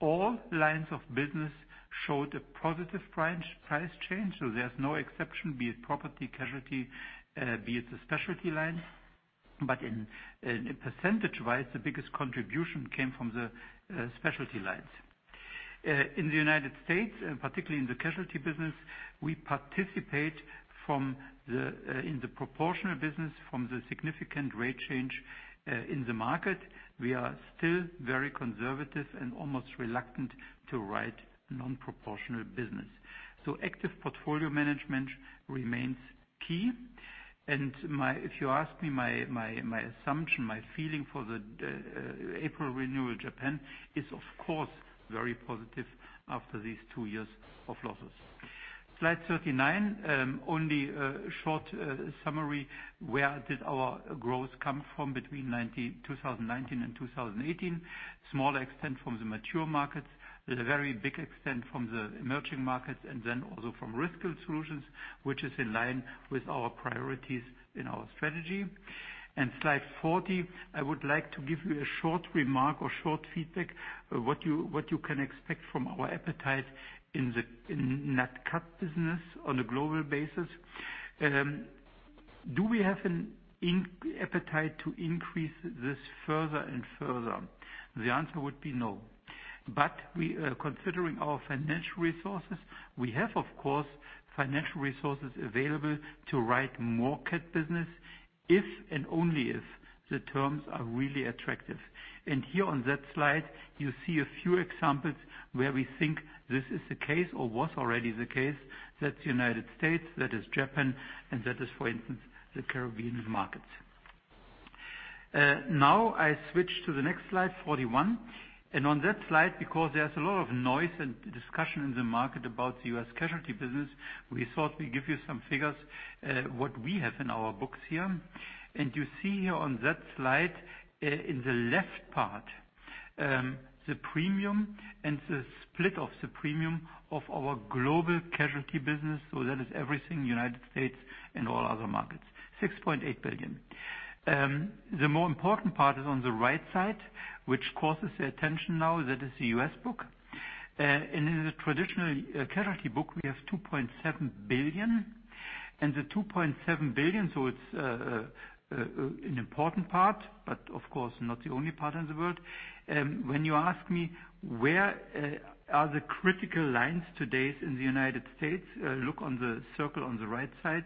Speaker 6: All lines of business showed a positive price change, so there's no exception, be it property, casualty, be it the specialty line. In percentage-wise, the biggest contribution came from the specialty lines. In the United States, and particularly in the casualty business, we participate in the proportional business from the significant rate change in the market. We are still very conservative and almost reluctant to write non-proportional business. Active portfolio management remains key. If you ask me, my assumption, my feeling for the April renewal Japan is, of course, very positive after these two years of losses. Slide 39. Only a short summary. Where did our growth come from between 2019 and 2018? Smaller extent from the mature markets. To a very big extent from the emerging markets and then also from risk solutions, which is in line with our priorities in our strategy. Slide 40, I would like to give you a short remark or short feedback, what you can expect from our appetite in NatCat business on a global basis. Do we have an appetite to increase this further and further? The answer would be no. Considering our financial resources, we have, of course, financial resources available to write more CAT business, if and only if the terms are really attractive. Here on that slide, you see a few examples where we think this is the case or was already the case. That's United States, that is Japan, and that is, for instance, the Caribbean markets. Now I switch to the next slide, 41. On that slide, because there's a lot of noise and discussion in the market about the U.S. casualty business, we thought we'd give you some figures, what we have in our books here. You see here on that slide, in the left part, the premium and the split of the premium of our global casualty business. That is everything United States and all other markets, 6.8 billion. The more important part is on the right side, which causes the attention now, that is the U.S. book. In the traditional casualty book, we have 2.7 billion. The 2.7 billion, it's an important part, but of course not the only part in the world. When you ask me, where are the critical lines today in the United States? Look on the circle on the right side.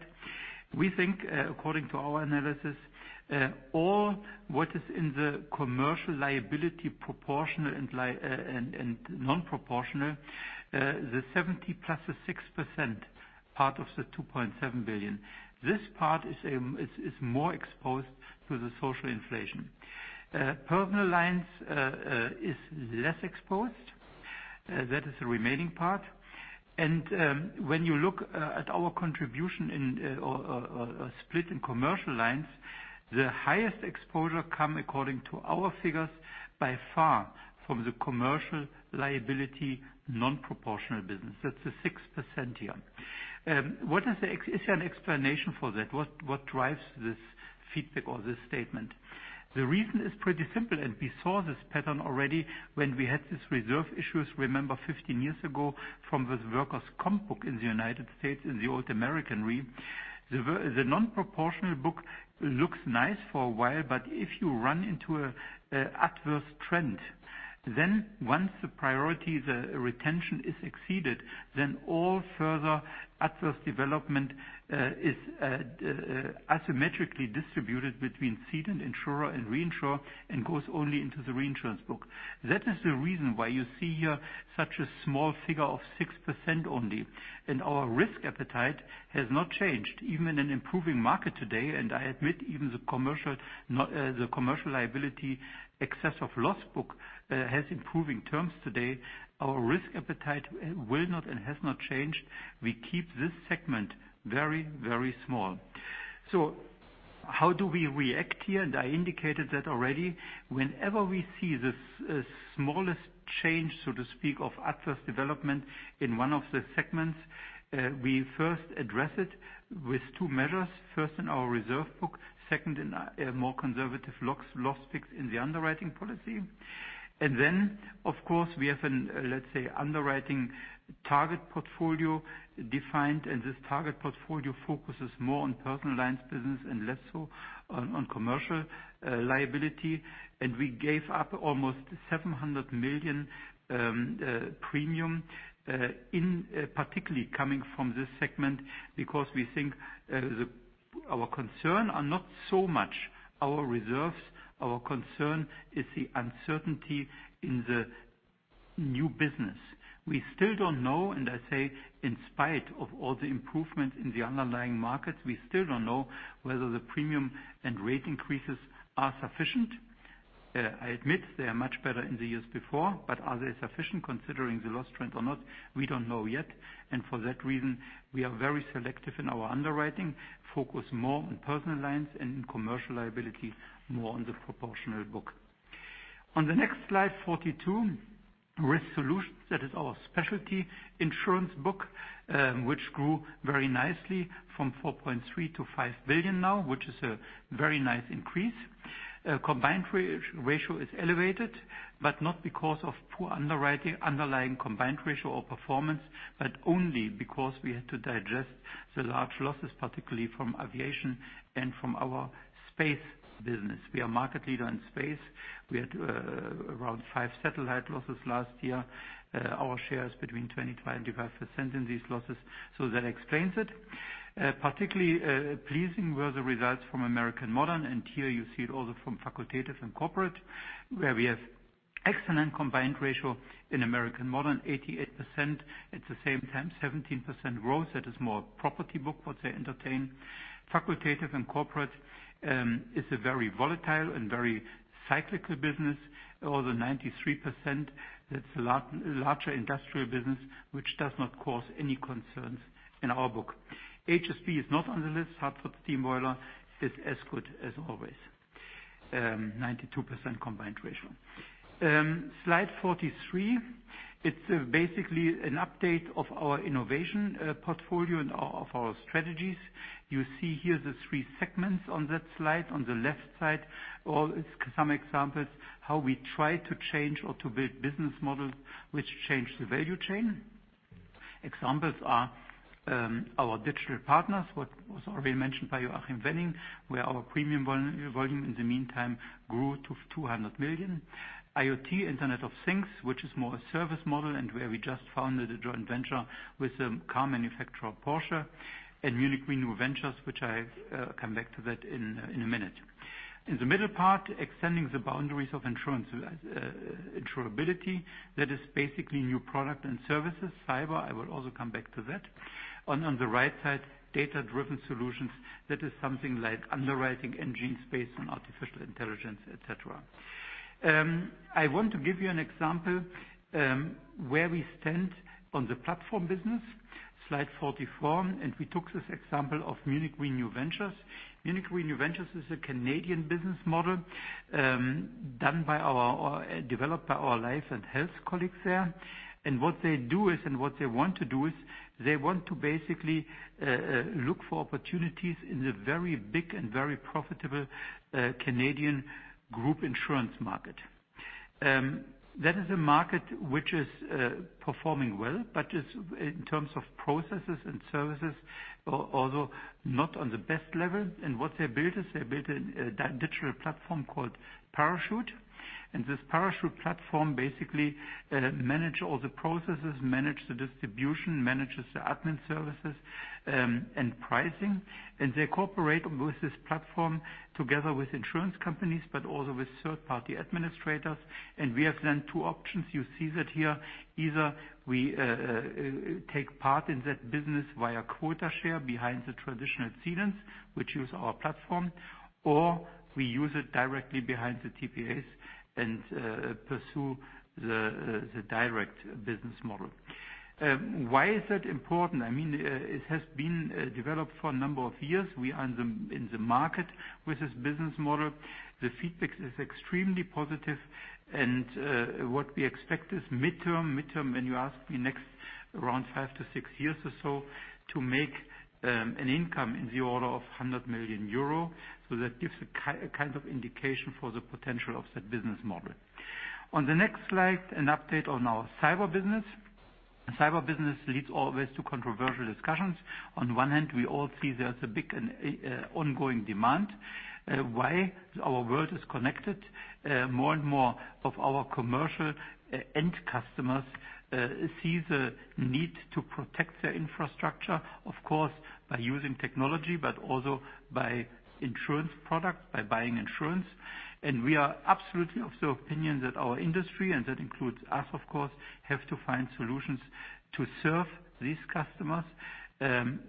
Speaker 6: We think, according to our analysis, all what is in the commercial liability proportional and non-proportional, the 70+ to 6% part of the 2.7 billion. This part is more exposed to the social inflation. Personal lines is less exposed. That is the remaining part. When you look at our contribution in, or split in commercial lines, the highest exposure come, according to our figures, by far from the commercial liability, non-proportional business. That's the 6% here. Is there an explanation for that? What drives this feedback or this statement? The reason is pretty simple, we saw this pattern already when we had these reserve issues, remember 15 years ago from the workers comp book in the United States in the old American Re. The non-proportional book looks nice for a while, but if you run into adverse trend, then once the priority, the retention is exceeded, then all further adverse development is asymmetrically distributed between cedent, insurer, and reinsurer and goes only into the Reinsurance book. That is the reason why you see here such a small figure of 6% only. Our risk appetite has not changed. Even in an improving market today, and I admit even the commercial liability excess of loss book has improving terms today. Our risk appetite will not and has not changed. We keep this segment very, very small. How do we react here? I indicated that already. Whenever we see the smallest change, so to speak, of adverse development in one of the segments, we first address it with two measures. First in our reserve book, second in a more conservative loss fix in the underwriting policy. Of course, we have an, let's say, underwriting target portfolio defined, and this target portfolio focuses more on personal lines business and less so on commercial liability. We gave up almost 700 million premium in particular coming from this segment because we think our concern are not so much our reserves. Our concern is the uncertainty in the new business. We still don't know, and I say in spite of all the improvements in the underlying markets, we still don't know whether the premium and rate increases are sufficient. I admit they are much better in the years before. Are they sufficient considering the loss trend or not? We don't know yet. For that reason, we are very selective in our underwriting, focus more on personal lines and in commercial liability, more on the proportional book. On the next slide 42, risk solutions. That is our specialty insurance book, which grew very nicely from 4.3 billion-5 billion now, which is a very nice increase. Combined ratio is elevated, but not because of poor underwriting, underlying combined ratio or performance, but only because we had to digest the large losses, particularly from aviation and from our space business. We are market leader in space. We had around five satellite losses last year. Our share is between 25 in these losses. That explains it. Particularly pleasing were the results from American Modern. Here you see it also from Facultative and Corporate, where we have excellent combined ratio in American Modern, 88%. At the same time, 17% growth. That is more property book, what they entertain. Facultative and Corporate is a very volatile and very cyclical business. Over 93%, that's larger industrial business, which does not cause any concerns in our book. HSB is not on the list. Hartford Steam Boiler is as good as always. 92% combined ratio. Slide 43. It's basically an update of our innovation portfolio and of our strategies. You see here the three segments on that slide. On the left side, some examples how we try to change or to build business models which change the value chain. Examples are our Digital Partners, what was already mentioned by Joachim Wenning, where our premium volume in the meantime grew to 200 million. IoT, Internet of Things, which is more a service model and where we just founded a joint venture with the car manufacturer Porsche. Munich Re New Ventures, which I come back to that in a minute. In the middle part, extending the boundaries of insurability. That is basically new product and services. Cyber, I will also come back to that. On the right side, data-driven solutions. That is something like underwriting engines based on artificial intelligence, et cetera. I want to give you an example, where we stand on the platform business. Slide 44. We took this example of Munich Re New Ventures. Munich Re New Ventures is a Canadian business model, developed by our Life and Health colleagues there. What they do is, they want to basically look for opportunities in the very big and very profitable Canadian Group insurance market. That is a market which is performing well, but in terms of processes and services, although not on the best level. What they built is, they built a digital platform called Parachute. This Parachute platform basically manages all the processes, manages the distribution, manages the admin services, and pricing. They cooperate with this platform together with insurance companies, but also with third-party administrators. We have then two options. You see that here. Either we take part in that business via quota share behind the traditional cedents, which use our platform, or we use it directly behind the TPAs and pursue the direct business model. Why is that important? It has been developed for a number of years. We are in the market with this business model. The feedback is extremely positive. What we expect is midterm. Midterm, when you ask me next, around five-six years or so, to make an income in the order of 100 million euro. That gives a kind of indication for the potential of that business model. On the next slide, an update on our Cyber business. Cyber business leads always to controversial discussions. On one hand, we all see there is a big and ongoing demand. Why? Our world is connected. More and more of our commercial end customers see the need to protect their infrastructure, of course, by using technology, but also by insurance product, by buying insurance. We are absolutely of the opinion that our industry, and that includes us, of course, have to find solutions to serve these customers.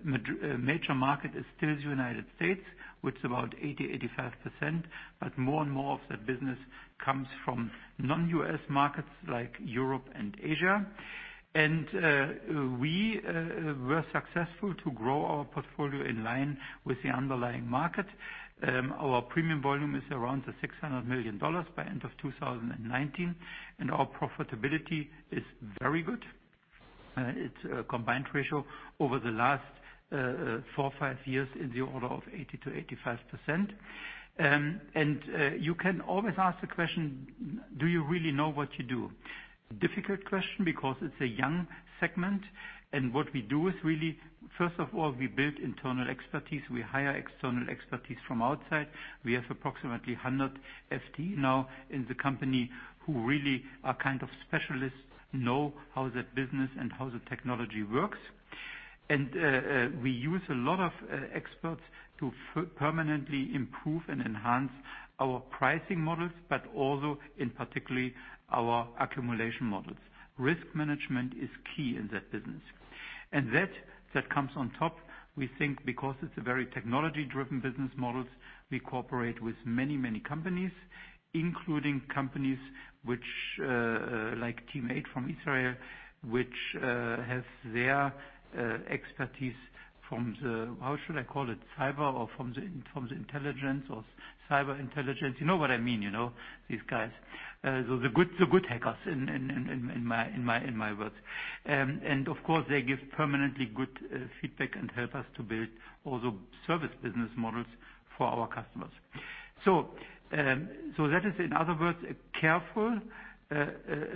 Speaker 6: Major market is still the United States, which is about 80%-85%, but more and more of that business comes from non-U.S. markets like Europe and Asia. We were successful to grow our portfolio in line with the underlying market. Our premium volume is around EUR 600 million by end of 2019. Our profitability is very good. Its combined ratio over the last four years, five years is the order of 80%-85%. You can always ask the question, do you really know what you do? Difficult question because it's a young segment. What we do is really, first of all, we build internal expertise. We hire external expertise from outside. We have approximately 100 FTE now in the company who really are kind of specialists, know how that business and how the technology works. We use a lot of experts to permanently improve and enhance our pricing models, but also in particular our accumulation models. Risk management is key in that business. That comes on top, we think because it's a very technology-driven business model. We cooperate with many, many companies, including companies like Team8 from Israel, which have their expertise from the, how should I call it, cyber or from the intelligence or cyber intelligence. You know what I mean. These guys. The good hackers in my words. Of course, they give permanently good feedback and help us to build all the service business models for our customers. That is, in other words, a careful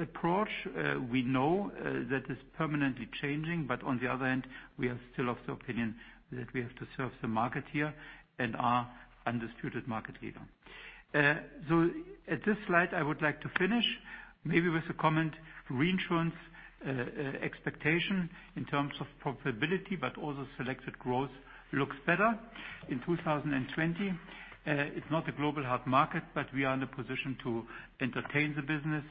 Speaker 6: approach. We know that it's permanently changing, but on the other hand, we are still of the opinion that we have to serve the market here and are undisputed market leader. At this slide, I would like to finish maybe with a comment. Reinsurance expectation in terms of profitability, but also selected growth looks better. In 2020, it's not a global hard market. We are in a position to entertain the business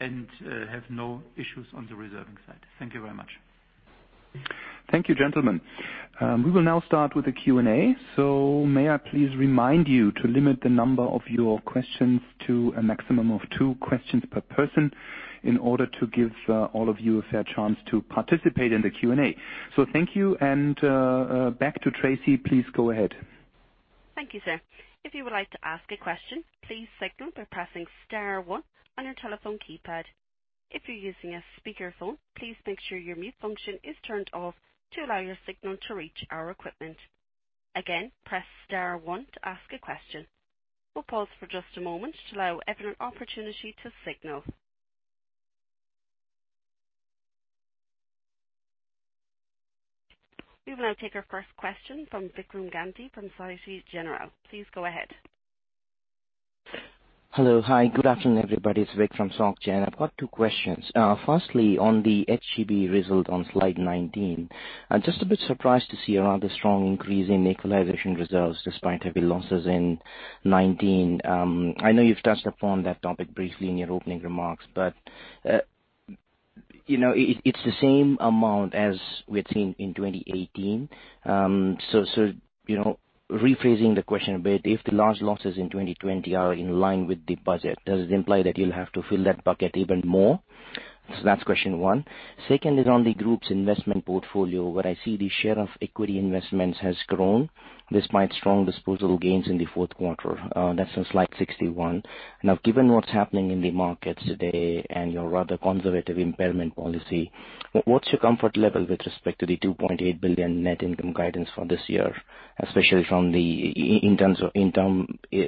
Speaker 6: and have no issues on the reserving side. Thank you very much.
Speaker 2: Thank you, gentlemen. We will now start with the Q&A. May I please remind you to limit the number of your questions to a maximum of two questions per person in order to give all of you a fair chance to participate in the Q&A. Thank you, and back to Tracy. Please go ahead.
Speaker 1: Thank you, sir. If you would like to ask a question, please signal by pressing star one on your telephone keypad. If you're using a speakerphone, please make sure your mute function is turned off to allow your signal to reach our equipment. Again, press star one to ask a question. We'll pause for just a moment to allow everyone an opportunity to signal. We will now take our first question from Vikram Gandhi from Société Générale. Please go ahead.
Speaker 7: Hello. Hi, good afternoon, everybody. It's Vikram from Société Générale. I've got two questions. Firstly, on the HGB result on slide 19, I'm just a bit surprised to see a rather strong increase in equalization results despite heavy losses in 2019. I know you've touched upon that topic briefly in your opening remarks, but it's the same amount as we had seen in 2018. Rephrasing the question a bit, if the large losses in 2020 are in line with the budget, does it imply that you'll have to fill that bucket even more? That's question one. Second is on the Group's investment portfolio, where I see the share of equity investments has grown, despite strong disposal gains in the fourth quarter. That's on slide 61. Given what's happening in the markets today and your rather conservative impairment policy, what's your comfort level with respect to the 2.8 billion net income guidance for this year, especially in terms of equity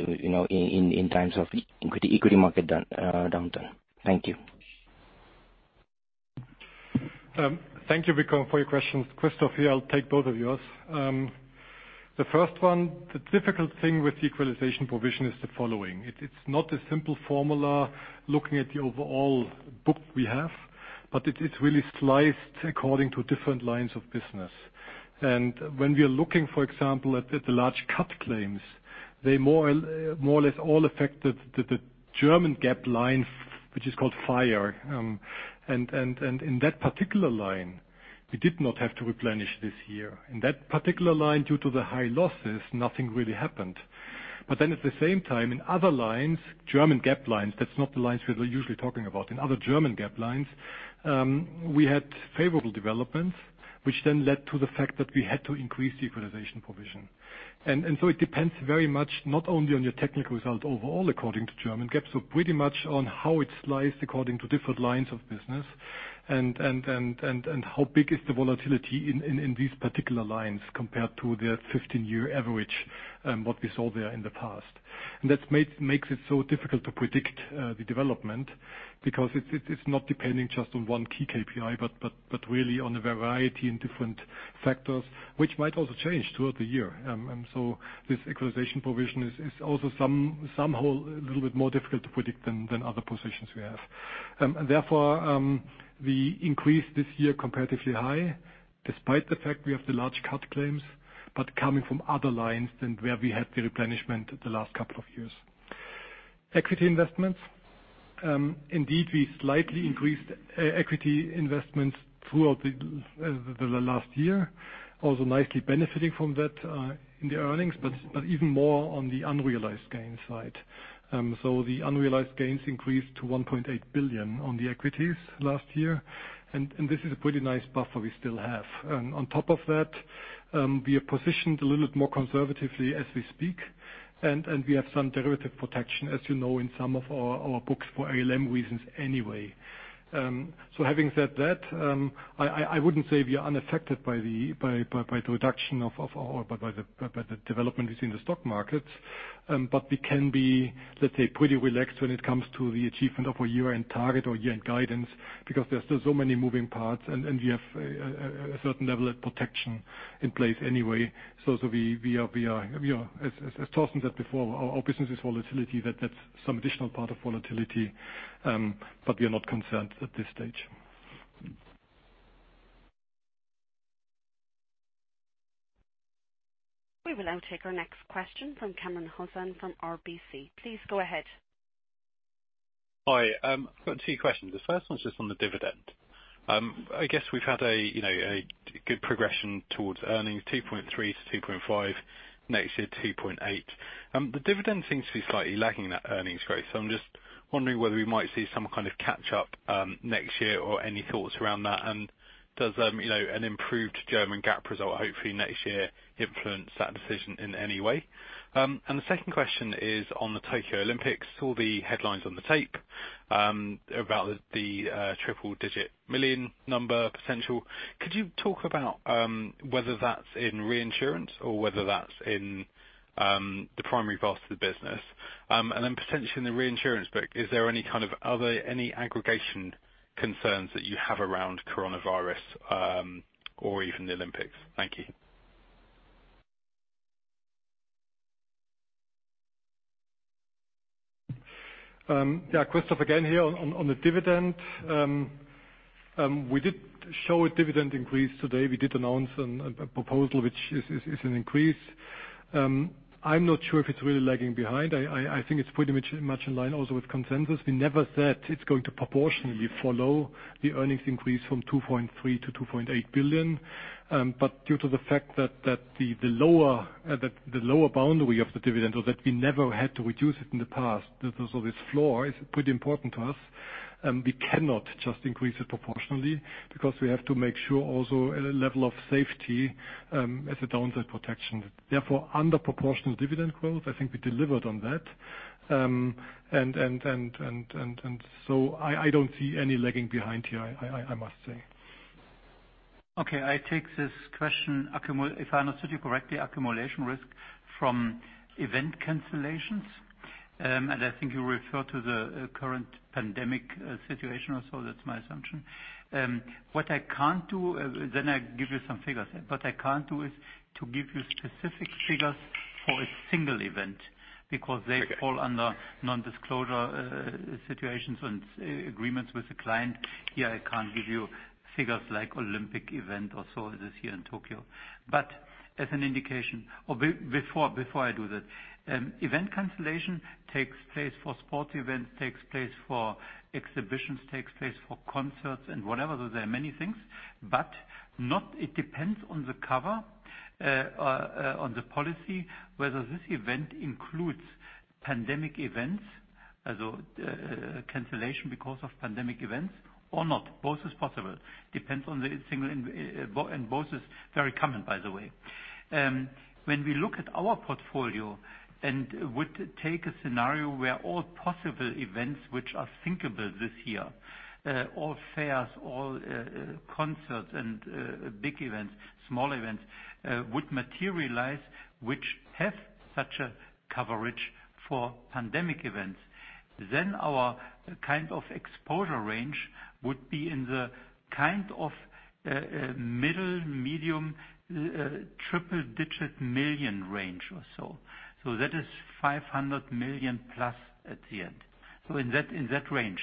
Speaker 7: market downturn? Thank you.
Speaker 4: Thank you, Vikram, for your questions. Christoph here. I'll take both of yours. The first one, the difficult thing with equalization provision is the following. It's not a simple formula looking at the overall book we have, but it is really sliced according to different lines of business. When we are looking, for example, at the large CAT claims, they more or less all affected the German GAAP line, which is called FIRE. In that particular line, we did not have to replenish this year. In that particular line, due to the high losses, nothing really happened. At the same time, in other lines, German GAAP lines, that's not the lines we are usually talking about. In other German GAAP lines, we had favorable developments, which led to the fact that we had to increase the equalization provision. It depends very much not only on your technical result overall, according to German GAAP, so pretty much on how it sliced according to different lines of business and how big is the volatility in these particular lines compared to their 15-year average, what we saw there in the past. That makes it so difficult to predict the development because it's not depending just on one key KPI, but really on a variety and different factors, which might also change throughout the year. This equalization provision is also somehow a little bit more difficult to predict than other positions we have. Therefore, we increased this year comparatively high despite the fact we have the large CAT claims, but coming from other lines than where we had the replenishment the last couple of years. Equity investments. We slightly increased equity investments throughout the last year. Nicely benefiting from that, in the earnings, but even more on the unrealized gain side. The unrealized gains increased to 1.8 billion on the equities last year, and this is a pretty nice buffer we still have. On top of that, we are positioned a little bit more conservatively as we speak, and we have some derivative protection, as you know, in some of our books for ALM reasons anyway. Having said that, I wouldn't say we are unaffected by the development we see in the stock markets. We can be, let's say, pretty relaxed when it comes to the achievement of our year-end target or year-end guidance because there are still so many moving parts, and we have a certain level of protection in place anyway. As I've spoken that before, our business is volatility. That's some additional part of volatility. We are not concerned at this stage.
Speaker 1: We will now take our next question from Kamran Hossain from RBC. Please go ahead.
Speaker 8: Hi. I've got two questions. The first one is just on the dividend. I guess we've had a good progression towards earnings, 2.3 billion-2.5 billion, next year 2.8 billion. The dividend seems to be slightly lagging in that earnings growth. I'm just wondering whether we might see some kind of catch-up next year or any thoughts around that. Does an improved German GAAP result, hopefully next year, influence that decision in any way? The second question is on the Tokyo Olympics. Saw the headlines on the tape, about the triple-digit million number potential. Could you talk about whether that's in Reinsurance or whether that's in the primary part of the business? Then potentially in the Reinsurance bit, is there any kind of other aggregation concerns that you have around coronavirus, or even the Olympics? Thank you.
Speaker 4: Christoph again here. On the dividend, we did show a dividend increase today. We did announce a proposal, which is an increase. I'm not sure if it's really lagging behind. I think it's pretty much in line also with consensus. We never said it's going to proportionally follow the earnings increase from 2.3 billion-2.8 billion. Due to the fact that the lower boundary of the dividend was that we never had to reduce it in the past. This floor is pretty important to us. We cannot just increase it proportionally because we have to make sure also a level of safety, as a downside protection. Therefore, under proportional dividend growth, I think we delivered on that. I don't see any lagging behind here, I must say.
Speaker 6: Okay, I take this question, if I understood you correctly, accumulation risk from event cancellations. I think you refer to the current pandemic situation also. That's my assumption. I give you some figures. What I can't do is to give you specific figures for a single event, because they fall under non-disclosure situations and agreements with the client. Here, I can't give you figures like Olympic event or so this year in Tokyo. As an indication. Before I do that, event cancellation takes place for sports events, takes place for exhibitions, takes place for concerts and whatever. There are many things. It depends on the cover, on the policy, whether this event includes pandemic events, cancellation because of pandemic events or not. Both is possible. Both is very common, by the way. When we look at our portfolio and would take a scenario where all possible events which are thinkable this year, all fairs, all concerts and big events, small events, would materialize, which have such a coverage for pandemic events. Our exposure range would be in the middle, medium, triple-digit million range or so. That is 500 million+ at the end. In that range.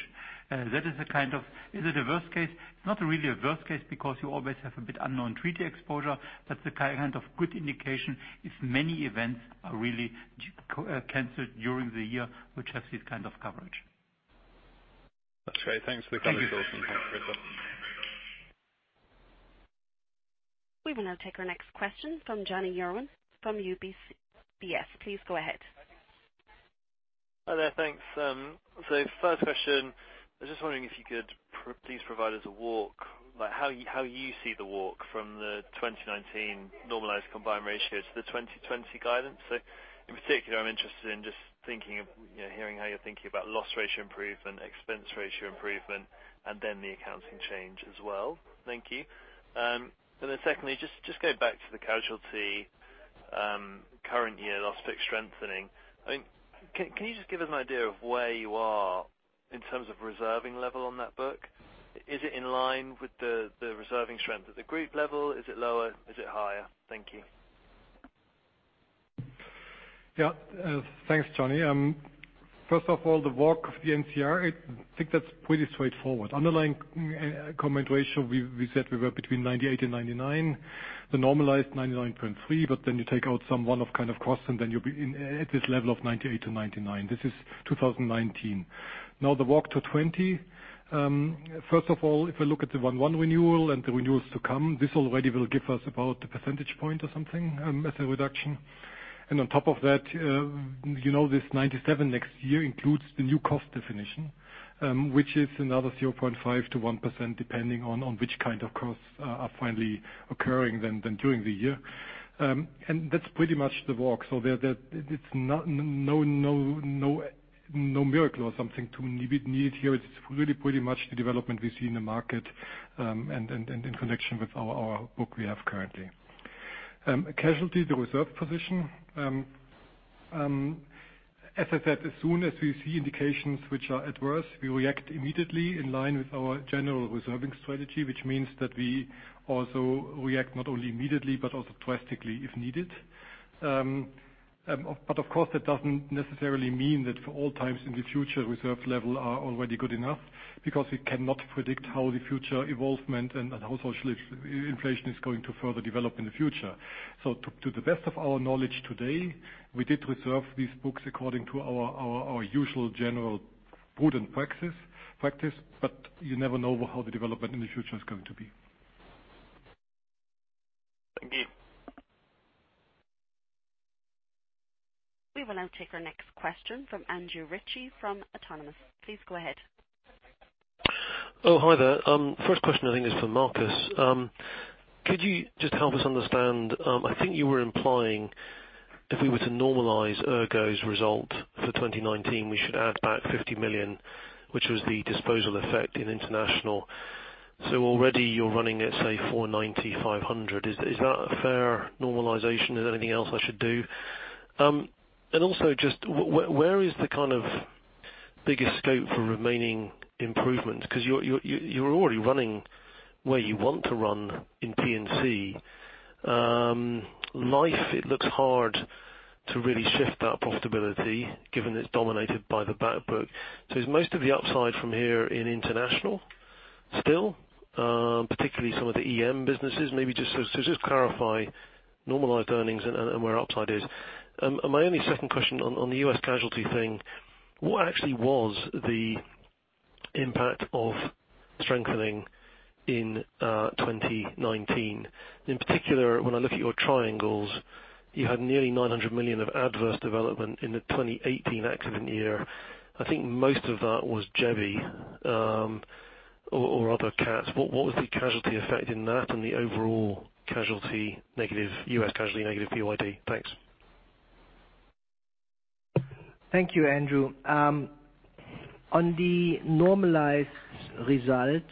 Speaker 6: That is a worst case. It's not really a worst case because you always have a bit unknown treaty exposure. That's the good indication if many events are really canceled during the year, which have this kind of coverage.
Speaker 8: That's great. Thanks.
Speaker 1: We will now take our next question from Jonny Urwin from UBS. Please go ahead.
Speaker 9: Hi there. Thanks. First question. I was just wondering if you could please provide us a walk, how you see the walk from the 2019 Normalized Combined Ratio to the 2020 guidance. In particular, I'm interested in just hearing how you're thinking about loss ratio improvement, expense ratio improvement, and then the accounting change as well. Thank you. Secondly, just go back to the casualty current year loss fix strengthening. Can you just give us an idea of where you are in terms of reserving level on that book? Is it in line with the reserving strength at the group level? Is it lower? Is it higher? Thank you.
Speaker 4: Yeah. Thanks, Jonny. First of all, the walk of the NCR, I think that's pretty straightforward. Underlying combined ratio, we said we were between 98% and 99%. The normalized 99.3%, you take out some one-off costs, and then you'll be at this level of 98%-99%. This is 2019. The walk to 2020. First of all, if we look at the 1/1 renewal and the renewals to come, this already will give us about a percentage point or something as a reduction. On top of that, this [97] next year includes the new cost definition, which is another 0.5%-1%, depending on which kind of costs are finally occurring then during the year. That's pretty much the walk. It's no miracle or something to need here.
Speaker 9: It's really pretty much the development we see in the market, and in connection with our book we have currently. Casualty, the reserve position. As I said, as soon as we see indications which are adverse, we react immediately in line with our general reserving strategy, which means that we also react not only immediately but also drastically if needed. Of course, that doesn't necessarily mean that for all times in the future, reserve levels are already good enough, because we cannot predict how the future evolvement and how social inflation is going to further develop in the future. To the best of our knowledge today, we did reserve these books according to our usual general prudent practice. You never know how the development in the future is going to be. Thank you.
Speaker 1: We will now take our next question from Andrew Ritchie from Autonomous. Please go ahead.
Speaker 10: Oh, hi there. First question I think is for Markus. Could you just help us understand, I think you were implying if we were to normalize ERGO's result for 2019, we should add back 50 million, which was the disposal effect in international. Already you're running at, say, 490-500. Is that a fair normalization? Is there anything else I should do? Also just where is the biggest scope for remaining improvement? Because you're already running where you want to run in P&C. Life, it looks hard to really shift that profitability, given it's dominated by the back book. Is most of the upside from here in international still, particularly some of the EM businesses? Maybe just to clarify normalized earnings and where upside is. My only second question on the U.S. casualty thing, what actually was the impact of strengthening in 2019? In particular, when I look at your triangles, you had nearly 900 million of adverse development in the 2018 accident year. I think most of that was Jebi or other CATs. What was the casualty effect in that and the overall U.S. casualty negative PYD? Thanks.
Speaker 5: Thank you, Andrew. On the normalized result,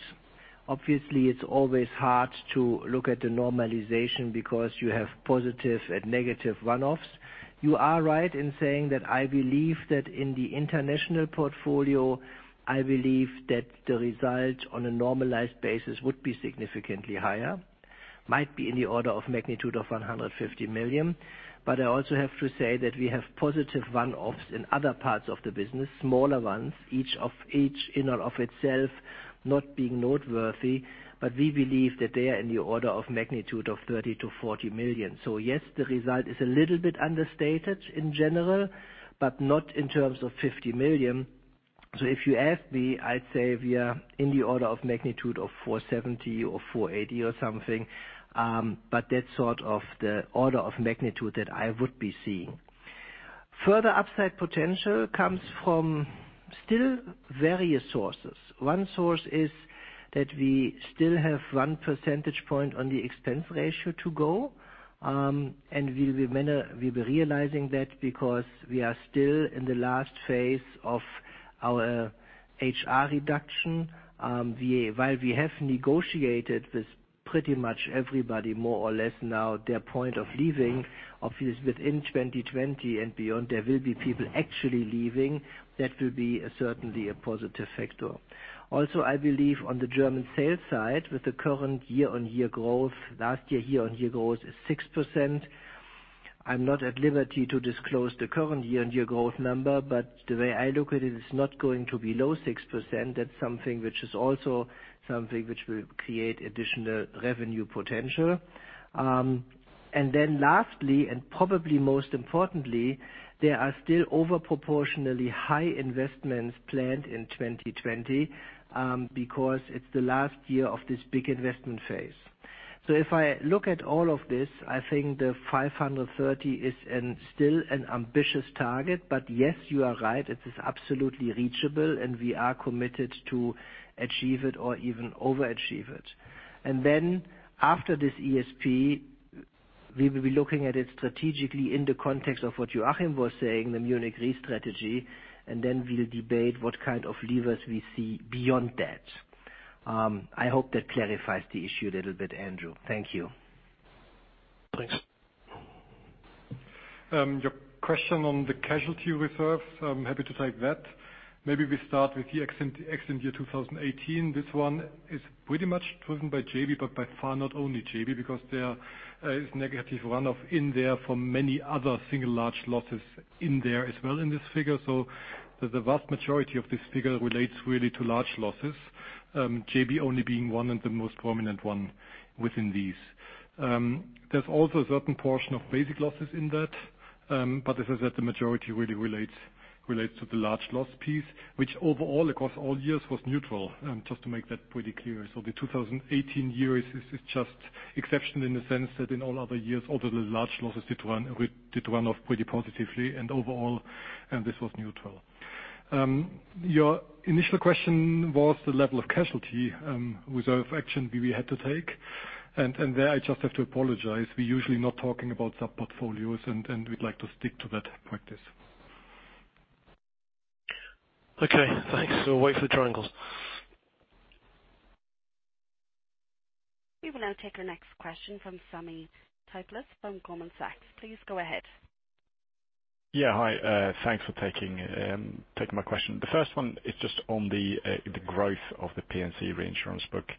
Speaker 5: obviously, it's always hard to look at the normalization because you have positive and negative runoffs. You are right in saying that I believe that in the international portfolio, the result on a normalized basis would be significantly higher. Might be in the order of magnitude of 150 million. I also have to say that we have positive one-offs in other parts of the business, smaller ones, each in and of itself not being noteworthy. We believe that they are in the order of magnitude of 30 million-40 million. Yes, the result is a little bit understated in general, but not in terms of 50 million. If you ask me, I'd say we are in the order of magnitude of 470 or 480 or something. That's sort of the order of magnitude that I would be seeing. Further upside potential comes from still various sources. One source is that we still have 1 percentage point on the expense ratio to go. We'll be realizing that because we are still in the last phase of our HR reduction. While we have negotiated with pretty much everybody, more or less now, their point of leaving, obviously within 2020 and beyond, there will be people actually leaving. That will be certainly a positive factor. Also, I believe on the German sales side, with the current year-on-year growth, last year year-on-year growth is 6%. I'm not at liberty to disclose the current year-on-year growth number, but the way I look at it's not going to be low 6%. That's something which is also something which will create additional revenue potential. Lastly, and probably most importantly, there are still over proportionally high investments planned in 2020, because it's the last year of this big investment phase. If I look at all of this, I think the 530 is still an ambitious target. Yes, you are right, it is absolutely reachable, and we are committed to achieve it or even overachieve it. After this ESP, we will be looking at it strategically in the context of what Joachim was saying, the Munich Re strategy, and then we'll debate what kind of levers we see beyond that. I hope that clarifies the issue a little bit, Andrew. Thank you.
Speaker 10: Thanks.
Speaker 4: Your question on the casualty reserve, I am happy to take that. Maybe we start with the accident year 2018. This one is pretty much driven by Jebi, but by far, not only Jebi, because there is negative runoff in there for many other single large losses in there as well in this figure. The vast majority of this figure relates really to large losses. Jebi only being one and the most prominent one within these. There is also a certain portion of basic losses in that. As I said, the majority really relates to the large loss piece, which overall, across all years, was neutral. Just to make that pretty clear. The 2018 year is just exceptional in the sense that in all other years, all the large losses did run off pretty positively and overall, and this was neutral. Your initial question was the level of casualty, reserve action we had to take. There, I just have to apologize. We're usually not talking about sub-portfolios, and we'd like to stick to that practice.
Speaker 10: Okay, thanks. We'll wait for the triangles.
Speaker 1: We will now take our next question from Sami Taipalus from Goldman Sachs. Please go ahead.
Speaker 11: Yeah. Hi. Thanks for taking my question. The first one is just on the growth of the P&C Reinsurance book.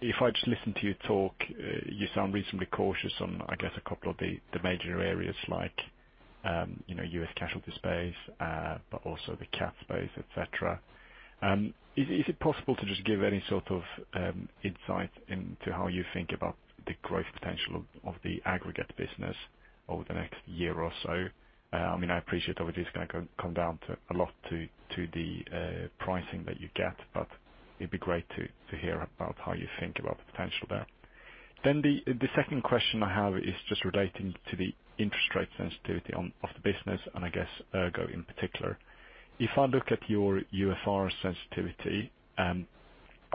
Speaker 11: If I just listen to you talk, you sound reasonably cautious on, I guess, a couple of the major areas like U.S. casualty space, but also the CAT space, et cetera. Is it possible to just give any sort of insight into how you think about the growth potential of the aggregate business over the next year or so? I appreciate obviously it's going to come down a lot to the pricing that you get. It'd be great to hear about how you think about the potential there. The second question I have is just relating to the interest rate sensitivity of the business and I guess, ERGO in particular. If I look at your UFR sensitivity,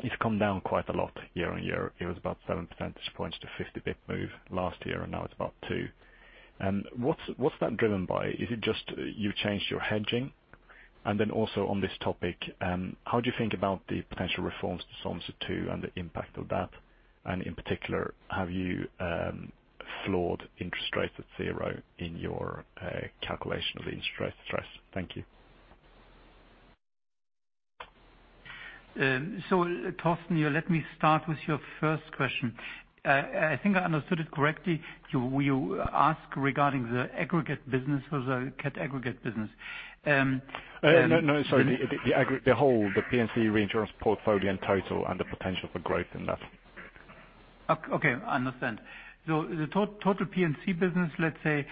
Speaker 11: it's come down quite a lot year-on-year. It was about 7 percentage points-50 basis points move last year, and now it's about 2 basis points. What's that driven by? Is it just you changed your hedging? Also on this topic, how do you think about the potential reforms to Solvency II and the impact of that? In particular, have you floored interest rates at zero in your calculation of the interest rate stress? Thank you.
Speaker 6: Torsten, let me start with your first question. I think I understood it correctly. You ask regarding the aggregate business or the CAT aggregate business?
Speaker 11: No, sorry. The whole, the P&C Reinsurance portfolio in total and the potential for growth in that.
Speaker 6: Okay, understand. The total P&C business, let's say,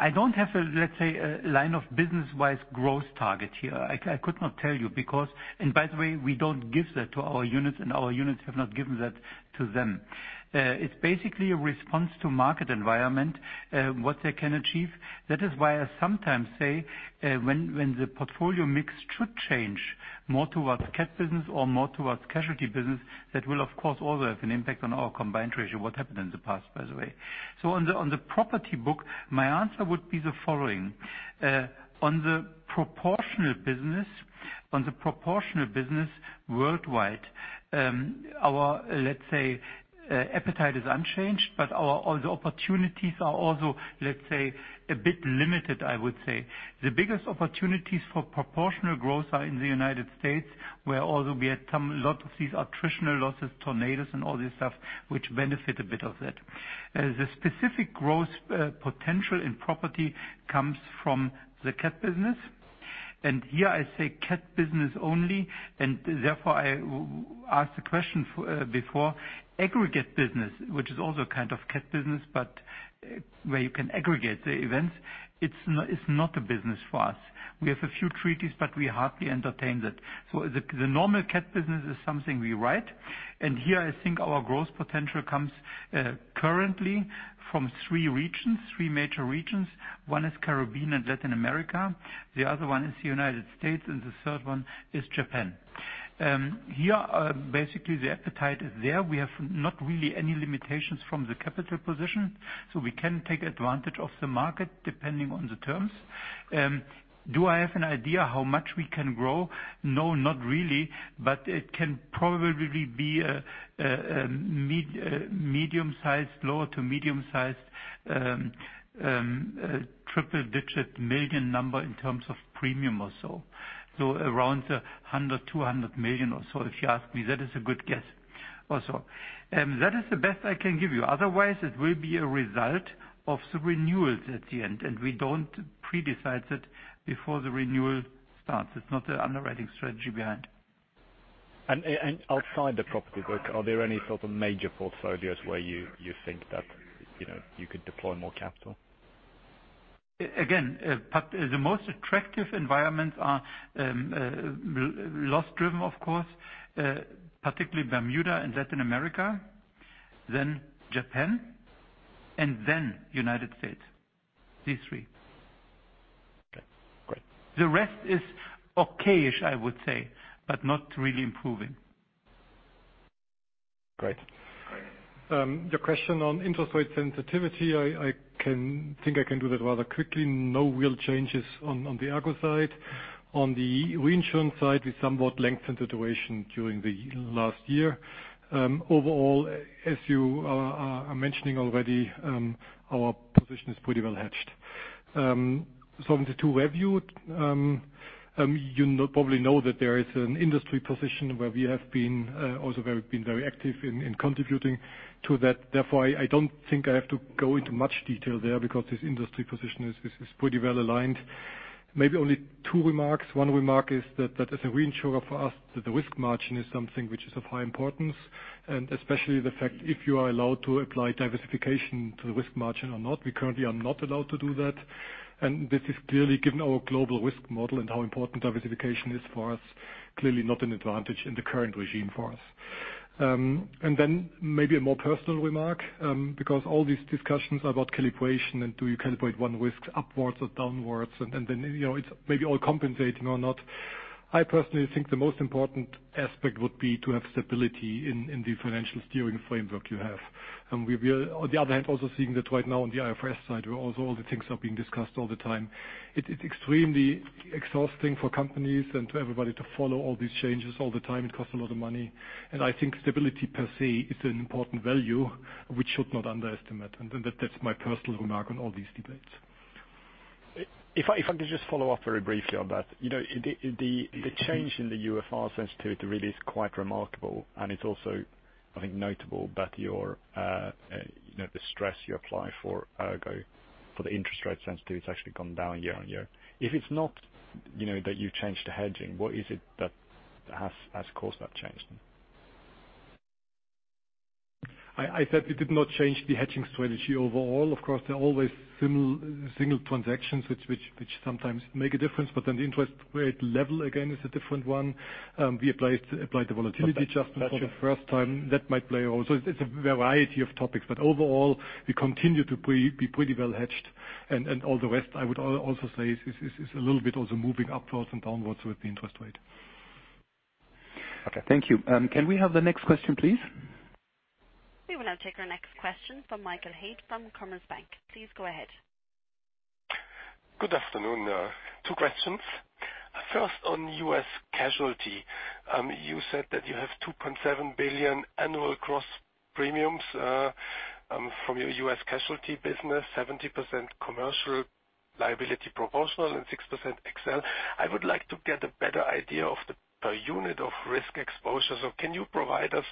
Speaker 6: I don't have, let's say, a line of business-wise growth target here. I could not tell you because and by the way, we don't give that to our units, and our units have not given that to them. It's basically a response to market environment, what they can achieve. That is why I sometimes say, when the portfolio mix should change more towards CAT business or more towards casualty business, that will of course, also have an impact on our combined ratio, what happened in the past, by the way. On the property book, my answer would be the following. On the proportional business worldwide. Our, let's say, appetite is unchanged. All the opportunities are also, let's say, a bit limited, I would say. The biggest opportunities for proportional growth are in the United States, where also we had a lot of these attritional losses, tornadoes, and all this stuff, which benefit a bit of it. The specific growth potential in property comes from the CAT business. Here I say CAT business only. Therefore, I asked the question before, aggregate business, which is also a kind of CAT business, where you can aggregate the events. It's not a business for us. We have a few treaties. We hardly entertain that. The normal CAT business is something we write. Here, I think our growth potential comes currently from three major regions. One is Caribbean and Latin America, the other one is the United States, and the third one is Japan. Here, basically, the appetite is there. We have not really any limitations from the capital position, so we can take advantage of the market depending on the terms. Do I have an idea how much we can grow? No, not really. It can probably be a lower to medium-sized triple-digit million number in terms of premium or so. Around 100 million-200 million or so, if you ask me. That is a good guess. That is the best I can give you. Otherwise, it will be a result of the renewals at the end, and we don't pre-decide that before the renewal starts. It's not the underwriting strategy behind.
Speaker 11: Outside the property book, are there any sort of major portfolios where you think that you could deploy more capital?
Speaker 6: Again, the most attractive environments are loss-driven, of course. Particularly Bermuda and Latin America, then Japan, and then United States. These three.
Speaker 11: Okay, great.
Speaker 6: The rest is okay-ish, I would say, but not really improving.
Speaker 11: Great.
Speaker 4: The question on interest rate sensitivity, I think I can do that rather quickly. No real changes on the ERGO side. On the Reinsurance side, we somewhat lengthened the duration during the last year. Overall, as you are mentioning already, our position is pretty well hedged. On the Solvency II, you probably know that there is an industry position where we have been also very active in contributing to that. Therefore, I don't think I have to go into much detail there because this industry position is pretty well aligned. Maybe only two remarks. One remark is that as a reinsurer for us, the risk margin is something which is of high importance, and especially the fact if you are allowed to apply diversification to the risk margin or not. We currently are not allowed to do that, and this is clearly given our global risk model and how important diversification is for us, clearly not an advantage in the current regime for us. Maybe a more personal remark, because all these discussions about calibration and do you calibrate one risk upwards or downwards? It's maybe all compensating or not. I personally think the most important aspect would be to have stability in the financial steering framework you have. We are, on the other hand, also seeing that right now on the IFRS side, where also all the things are being discussed all the time. It's extremely exhausting for companies and to everybody to follow all these changes all the time. It costs a lot of money. I think stability per se is an important value, which should not underestimate and that's my personal remark on all these debates.
Speaker 11: If I could just follow up very briefly on that. The change in the UFR sensitivity really is quite remarkable. It's also, I think, notable that the stress you apply for ERGO, for the interest rate sensitivity, has actually gone down year-on-year. If it's not that you've changed the hedging, what is it that has caused that change then?
Speaker 4: I said we did not change the hedging strategy overall. Of course, there are always single transactions which sometimes make a difference, but then the interest rate level again is a different one. We applied the Volatility Adjustment for the first time. That might play also. It's a variety of topics, but overall, we continue to be pretty well hedged. All the rest, I would also say, is a little bit also moving upwards and downwards with the interest rate.
Speaker 2: Okay. Thank you. Can we have the next question, please?
Speaker 1: We will now take our next question from Michael Haid from Commerzbank. Please go ahead.
Speaker 12: Good afternoon. Two questions. First on U.S. casualty. You said that you have 2.7 billion annual gross premiums from your U.S. casualty business, 70% commercial liability proportional and 6% XL. I would like to get a better idea of the per unit of risk exposure. Can you provide us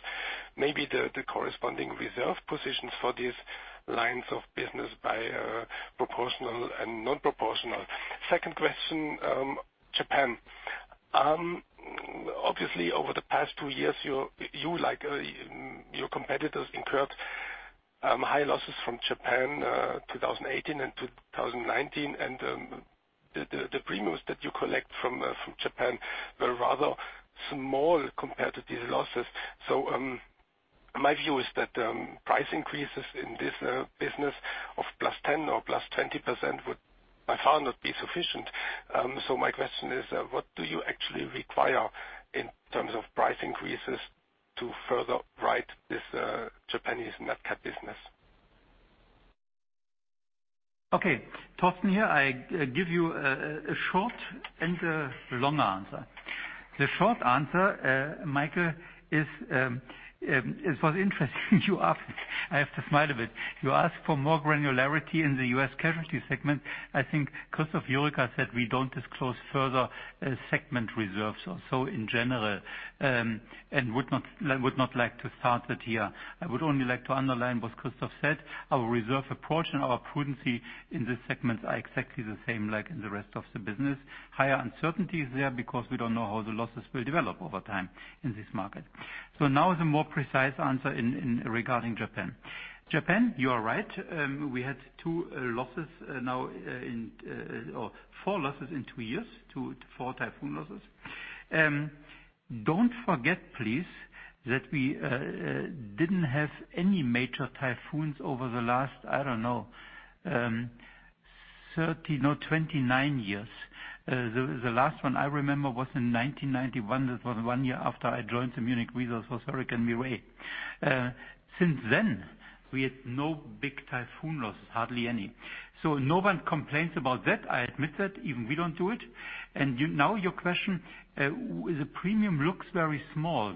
Speaker 12: maybe the corresponding reserve positions for these lines of business by proportional and non-proportional? Second question, Japan. Obviously, over the past two years, you, like your competitors, incurred high losses from Japan, 2018 and 2019. The premiums that you collect from Japan were rather small compared to these losses. My view is that price increases in this business of +10% or +20% would by far not be sufficient. My question is, what do you actually require in terms of price increases to further right this Japanese NatCat business?
Speaker 6: Torsten here. I give you a short and a long answer. The short answer, Michael, is it was interesting you asked. I have to smile a bit. You asked for more granularity in the U.S. casualty segment. I think Christoph Jurecka said we don't disclose further segment reserves. In general, and would not like to start that here. I would only like to underline what Christoph said. Our reserve approach and our prudency in this segment are exactly the same like in the rest of the business. Higher uncertainty is there because we don't know how the losses will develop over time in this market. Now the more precise answer regarding Japan. Japan, you are right. We had two losses now, or four losses in two years. Four typhoon losses. Don't forget please, that we didn't have any major typhoons over the last, I don't know, 30 years or 29 years. The last one I remember was in 1991. That was one year after I joined Munich Re for Typhoon Mireille. Since then, we had no big typhoon losses, hardly any. No one complains about that. I admit that, even we don't do it. Now your question, the premium looks very small.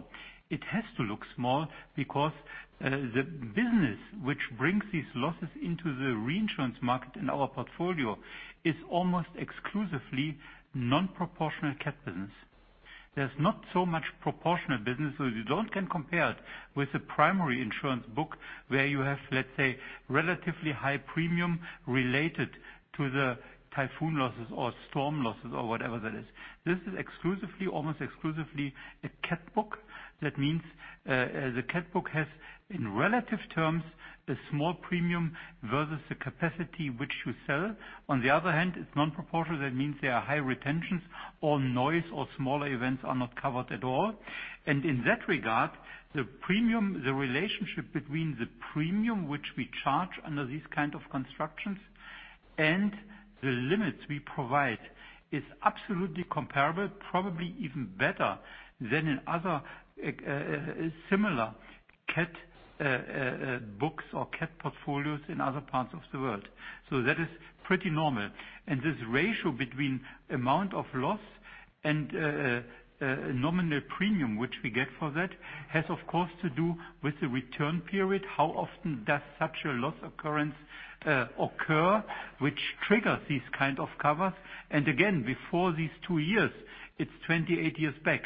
Speaker 6: It has to look small because the business which brings these losses into the Reinsurance market in our portfolio is almost exclusively non-proportional CAT business. There's not so much proportional business, you don't compare it with the primary insurance book where you have, let's say, relatively high premium related to the typhoon losses or storm losses or whatever that is. This is almost exclusively a CAT book. The CAT book has, in relative terms, a small premium versus the capacity which you sell. On the other hand, it's non-proportional. There are high retentions or noise or smaller events are not covered at all. In that regard, the relationship between the premium which we charge under these kind of constructions and the limits we provide is absolutely comparable, probably even better than in other similar CAT books or CAT portfolios in other parts of the world. That is pretty normal. This ratio between amount of loss and nominal premium, which we get for that, has, of course, to do with the return period. How often does such a loss occurrence occur, which triggers these kind of covers? Again, before these two years, it's 28 years back.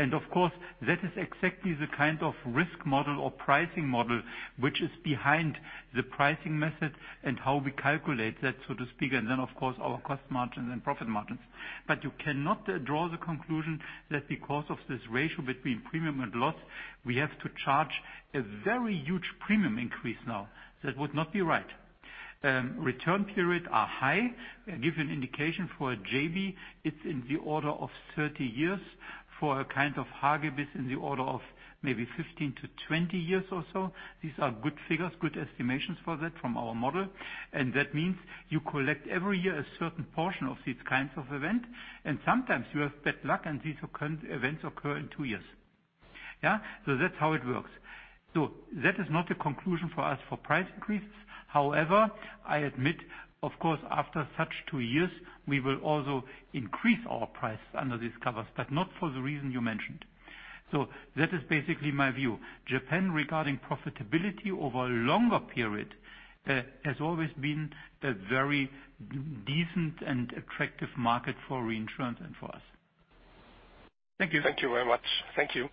Speaker 6: Of course, that is exactly the kind of risk model or pricing model, which is behind the pricing method and how we calculate that, so to speak. Then, of course, our cost margins and profit margins. You cannot draw the conclusion that because of this ratio between premium and loss, we have to charge a very huge premium increase now. That would not be right. Return periods are high. Give you an indication for a Jebi, it's in the order of 30 years. For a kind of Hagibis, in the order of maybe 15-20 years or so. These are good figures, good estimations for that from our model. That means you collect every year a certain portion of these kinds of event. Sometimes you have bad luck, and these events occur in two years. Yeah. That's how it works. That is not a conclusion for us for price increase. However, I admit, of course, after such two years, we will also increase our price under these covers, but not for the reason you mentioned. That is basically my view. Japan, regarding profitability over a longer period, has always been a very decent and attractive market for Reinsurance and for us. Thank you.
Speaker 12: Thank you very much. Thank you.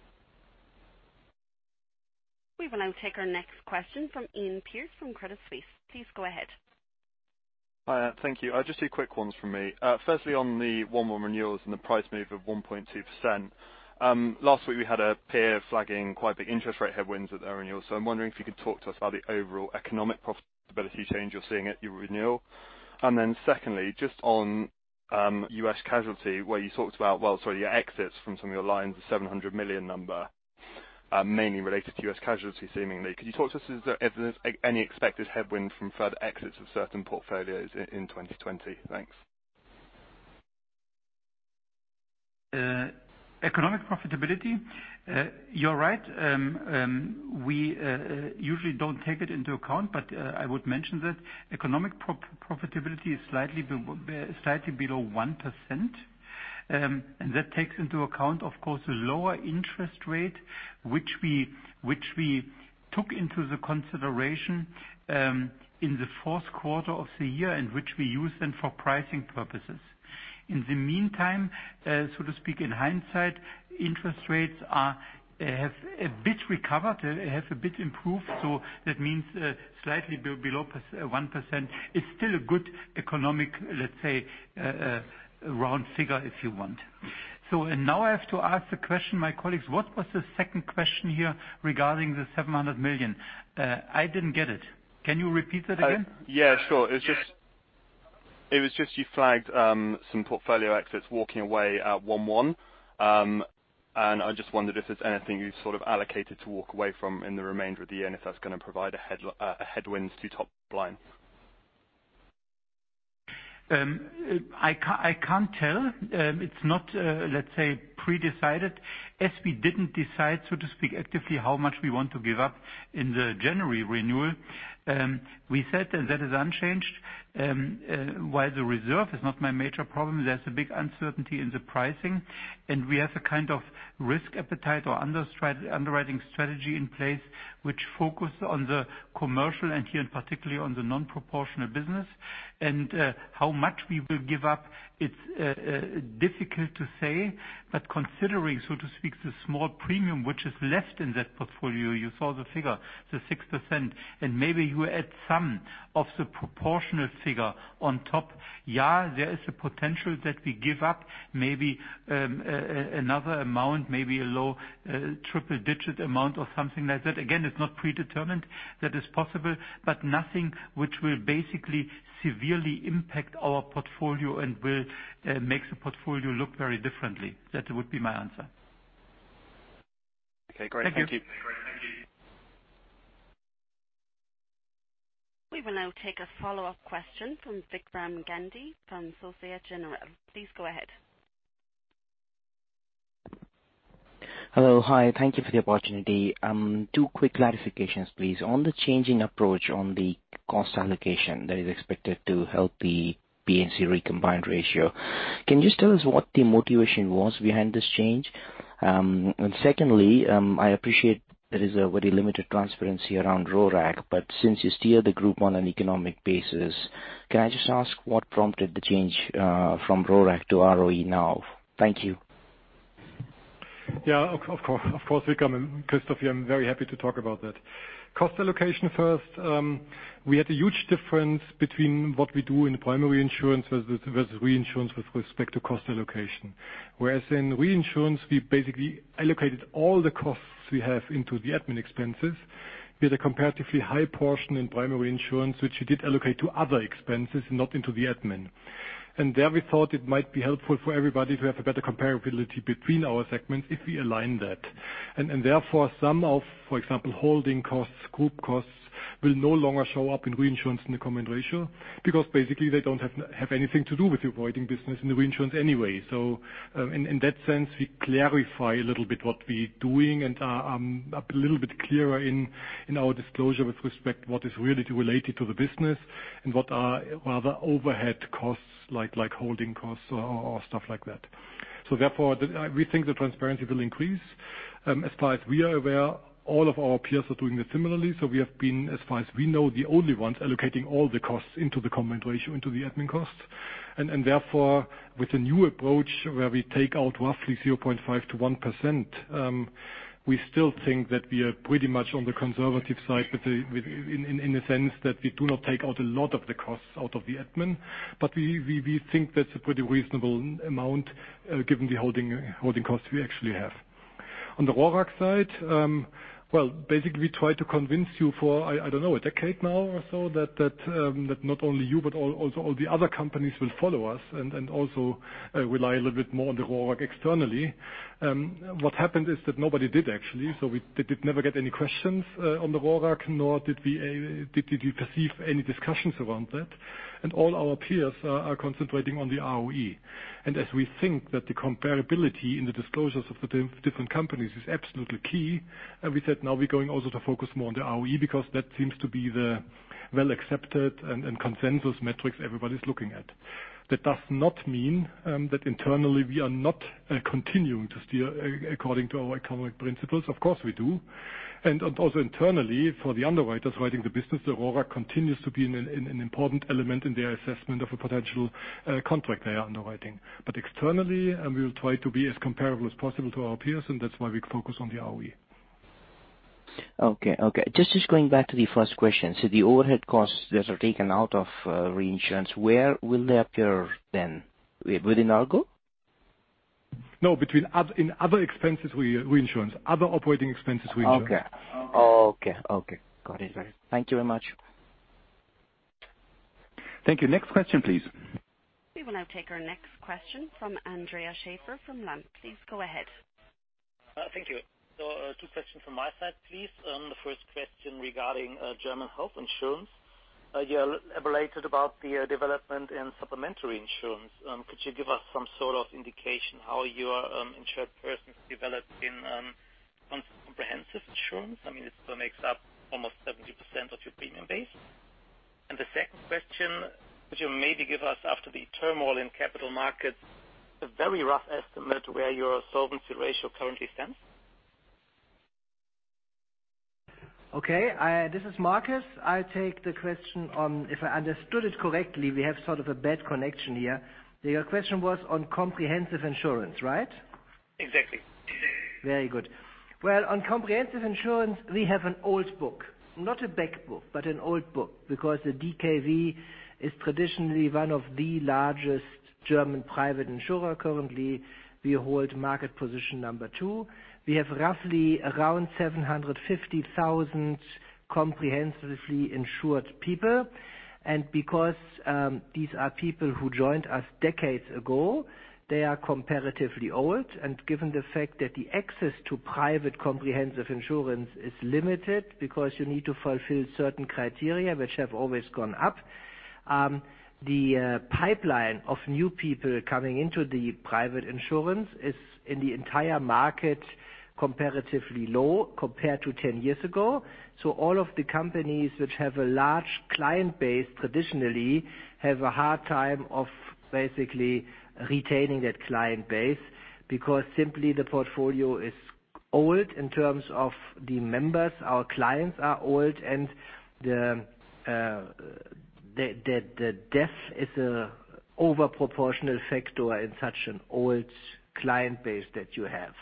Speaker 1: We will now take our next question from Iain Pearce from Credit Suisse. Please go ahead.
Speaker 13: Hi. Thank you. Just two quick ones from me. Firstly, on the one-one renewals and the price move of 1.2%. Last week we had a peer flagging quite big interest rate headwinds with their renewals. I'm wondering if you could talk to us about the overall economic profitability change you're seeing at your renewal. Secondly, just on U.S. casualty, where you talked about, well, sorry, your exits from some of your lines, the 700 million number, mainly related to U.S. casualty seemingly. Could you talk to us, is there any expected headwind from further exits of certain portfolios in 2020? Thanks.
Speaker 6: Economic profitability. You're right. We usually don't take it into account, but I would mention that economic profitability is slightly below 1%. That takes into account, of course, the lower interest rate, which we took into the consideration, in the fourth quarter of the year in which we use them for pricing purposes. In the meantime, so to speak, in hindsight, interest rates have a bit recovered, have a bit improved. That means, slightly below 1%. It's still a good economic, let's say, round figure if you want. Now I have to ask the question, my colleagues, what was the second question here regarding the 700 million? I didn't get it. Can you repeat that again?
Speaker 13: Yeah, sure. It was just you flagged some portfolio exits walking away at one-one. I just wondered if there's anything you sort of allocated to walk away from in the remainder of the year and if that's going to provide a headwind to top line.
Speaker 6: I can't tell. It's not, let's say, pre-decided, as we didn't decide, so to speak, actively how much we want to give up in the January renewal. We said, and that is unchanged, while the reserve is not my major problem, there's a big uncertainty in the pricing, and we have a risk appetite or underwriting strategy in place, which focus on the commercial and particularly on the non-proportional business. How much we will give up, it's difficult to say. Considering, so to speak, the small premium which is left in that portfolio, you saw the figure, the 6%, and maybe you add some of the proportional figure on top. There is a potential that we give up maybe another amount, maybe a low triple-digit amount or something like that. Again, it's not predetermined. That is possible, but nothing which will basically severely impact our portfolio and will make the portfolio look very differently. That would be my answer.
Speaker 13: Okay, great. Thank you.
Speaker 1: We will now take a follow-up question from Vikram Gandhi from Société Générale. Please go ahead.
Speaker 7: Hello. Hi, thank you for the opportunity. Two quick clarifications, please. On the changing approach on the cost allocation that is expected to help the P&C combined ratio, can you just tell us what the motivation was behind this change? Secondly, I appreciate there is a very limited transparency around RoRAC, but since you steer the group on an economic basis, can I just ask what prompted the change from RoRAC to ROE now? Thank you.
Speaker 4: Yeah. Of course, Vikram. Christoph, I'm very happy to talk about that. Cost allocation first. We had a huge difference between what we do in the primary insurance versus Reinsurance with respect to cost allocation. Whereas in Reinsurance, we basically allocated all the costs we have into the admin expenses. We had a comparatively high portion in primary insurance, which we did allocate to other expenses, not into the admin. There we thought it might be helpful for everybody to have a better comparability between our segments if we align that. Therefore, some of, for example, holding costs, group costs, will no longer show up in Reinsurance in the combined ratio because basically they don't have anything to do with the avoiding business in the Reinsurance anyway. In that sense, we clarify a little bit what we're doing and are a little bit clearer in our disclosure with respect what is really related to the business and what are other overhead costs like holding costs or stuff like that. Therefore, we think the transparency will increase. As far as we are aware, all of our peers are doing it similarly. We have been, as far as we know, the only ones allocating all the costs into the combined ratio, into the admin costs. Therefore, with the new approach where we take out roughly 0.5%-1%, we still think that we are pretty much on the conservative side in the sense that we do not take out a lot of the costs out of the admin. We think that's a pretty reasonable amount given the holding costs we actually have. On the RoRAC side. Basically, we try to convince you for, I don't know, a decade now or so, that not only you but also all the other companies will follow us and also rely a little bit more on the RoRAC externally. What happened is that nobody did, actually. We did never get any questions on the RoRAC, nor did we perceive any discussions around that. All our peers are concentrating on the ROE. As we think that the comparability in the disclosures of the different companies is absolutely key, we said now we're going also to focus more on the ROE because that seems to be the well-accepted and consensus metrics everybody's looking at. That does not mean that internally we are not continuing to steer according to our economic principles. Of course, we do. Also internally, for the underwriters writing the business, the RoRAC continues to be an important element in their assessment of a potential contract they are underwriting. Externally, we will try to be as comparable as possible to our peers, and that's why we focus on the ROE.
Speaker 7: Okay. Just going back to the first question. The overhead costs that are taken out of Reinsurance, where will they appear then? Within ERGO?
Speaker 4: No, between other expenses Reinsurance. Other operating expenses Reinsurance.
Speaker 7: Okay. Got it. Thank you very much.
Speaker 2: Thank you. Next question, please.
Speaker 1: We will now take our next question from Andreas Schäfer from Lampe. Please go ahead.
Speaker 14: Thank you. Two questions from my side, please. The first question regarding German health insurance. You elaborated about the development in supplementary insurance. Could you give us some sort of indication how your insured persons developed in comprehensive insurance? I mean, it still makes up almost 70% of your premium base. The second question, could you maybe give us after the turmoil in capital markets, a very rough estimate where your solvency ratio currently stands?
Speaker 5: Okay. This is Markus. I take the question on, if I understood it correctly, we have sort of a bad connection here. Your question was on comprehensive insurance, right?
Speaker 14: Exactly.
Speaker 5: Very good. Well, on comprehensive insurance, we have an old book. Not a big book, but an old book, because the DKV is traditionally one of the largest German private insurer. Currently, we hold market position number two. We have roughly around 750,000 comprehensively insured people. Because these are people who joined us decades ago, they are comparatively old. Given the fact that the access to private comprehensive insurance is limited because you need to fulfill certain criteria, which have always gone up. The pipeline of new people coming into the private insurance is, in the entire market, comparatively low compared to 10 years ago. All of the companies which have a large client base traditionally have a hard time of basically retaining that client base because simply the portfolio is old in terms of the members. Our clients are old, and the death is an overproportional factor in such an old client base that you have.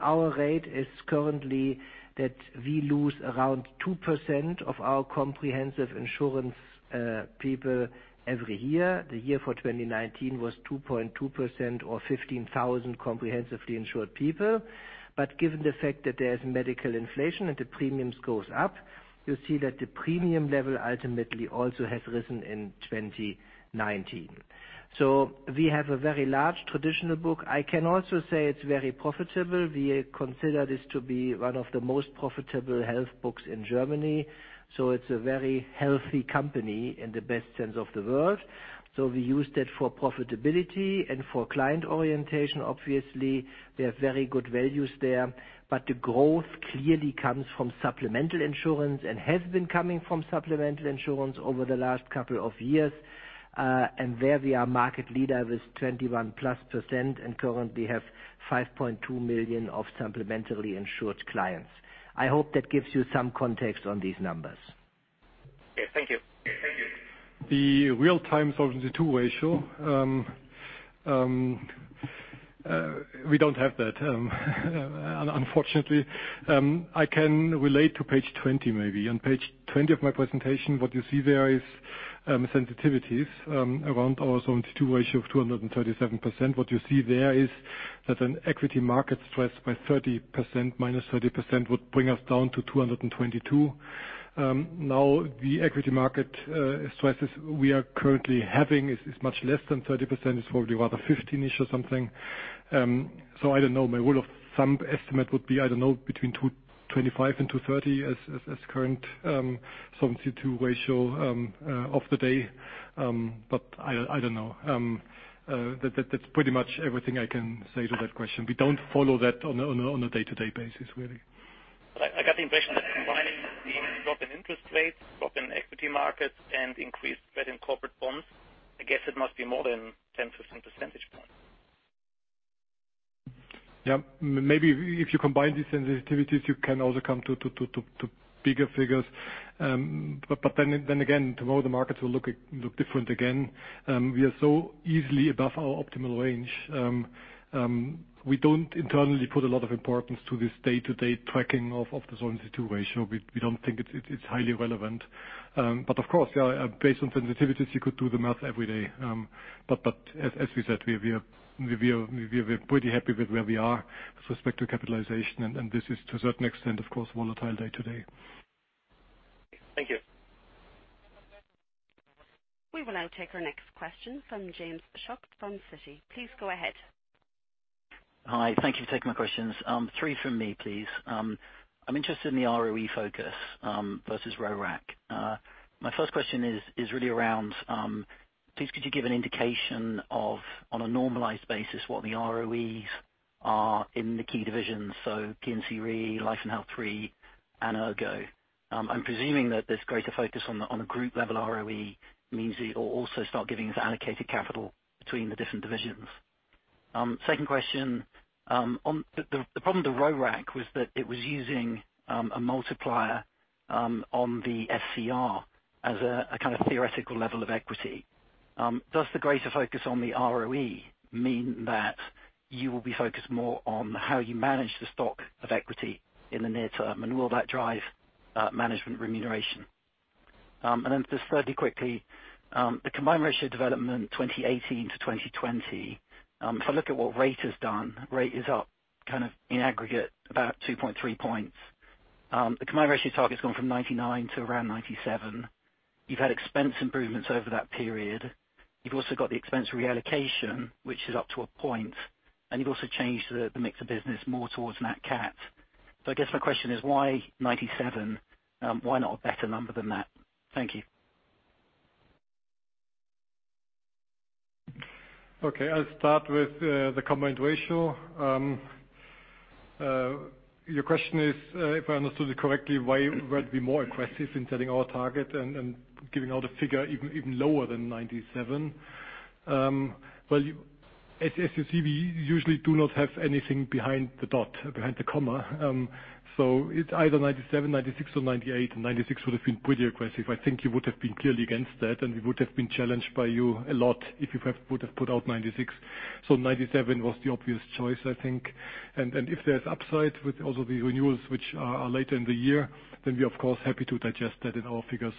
Speaker 5: Our rate is currently that we lose around 2% of our comprehensive insurance people every year. The year for 2019 was 2.2% or 15,000 comprehensively insured people. Given the fact that there is medical inflation and the premiums goes up, you see that the premium level ultimately also has risen in 2019. We have a very large traditional book. I can also say it's very profitable. We consider this to be one of the most profitable health books in Germany. It's a very healthy company in the best sense of the word. We use that for profitability and for client orientation, obviously, we have very good values there, but the growth clearly comes from supplemental insurance and has been coming from supplemental insurance over the last couple of years. There we are market leader with 21%+ and currently have 5.2 million of supplementally insured clients. I hope that gives you some context on these numbers.
Speaker 14: Okay, thank you.
Speaker 4: The real time Solvency II ratio. We don't have that unfortunately. I can relate to page 20, maybe. On page 20 of my presentation, what you see there is sensitivities around our Solvency II ratio of 237%. What you see there is that an equity market stress by 30%, -30%, would bring us down to 222%. The equity market stresses we are currently having is much less than 30%. It's probably rather 15-ish or something. I don't know. My rule of thumb estimate would be, I don't know, between 225% and 230% as current Solvency II ratio of the day. I don't know. That's pretty much everything I can say to that question. We don't follow that on a day-to-day basis, really.
Speaker 14: I got the impression that combining the drop in interest rates, drop in equity markets, and increased spread in corporate bonds, I guess it must be more than 10 percentage point.
Speaker 4: Yeah. Maybe if you combine these sensitivities, you can also come to bigger figures. Again, tomorrow the markets will look different again. We are so easily above our optimal range. We don't internally put a lot of importance to this day-to-day tracking of the Solvency II ratio. We don't think it's highly relevant. Of course, based on sensitivities, you could do the math every day. As we said, we are pretty happy with where we are with respect to capitalization. This is to a certain extent, of course, volatile day-to-day.
Speaker 14: Thank you.
Speaker 1: We will now take our next question from James Shuck from Citi. Please go ahead.
Speaker 15: Hi. Thank you for taking my questions. Three from me, please. I'm interested in the ROE focus, versus RoRAC. My first question is really around, please could you give an indication of, on a normalized basis, what the ROEs are in the key divisions, so P&C RE, Life and Health RE, and ERGO? I'm presuming that this greater focus on a group-level ROE means that you'll also start giving us allocated capital between the different divisions. Second question, the problem with the RoRAC was that it was using a multiplier on the SCR as a kind of theoretical level of equity. Does the greater focus on the ROE mean that you will be focused more on how you manage the stock of equity in the near term, and will that drive management remuneration? Just thirdly, quickly, the combined ratio development 2018-2020. If I look at what rate has done, rate is up, kind of in aggregate, about 2.3 points. The combined ratio target's gone from 99% to around 97%. You've had expense improvements over that period. You've also got the expense reallocation, which is up to a point, and you've also changed the mix of business more towards NatCat. I guess my question is why 97%? Why not a better number than that? Thank you.
Speaker 4: I'll start with the combined ratio. Your question is, if I understood it correctly, why weren't we more aggressive in setting our target and giving out a figure even lower than 97%? As you see, we usually do not have anything behind the comma. It's either 97%, 96%, or 98%. 96% would have been pretty aggressive. I think you would have been clearly against that, and we would have been challenged by you a lot if we would have put out 96%. 97% was the obvious choice, I think. If there's upside with also the renewals, which are later in the year, we are of course, happy to digest that in our figures,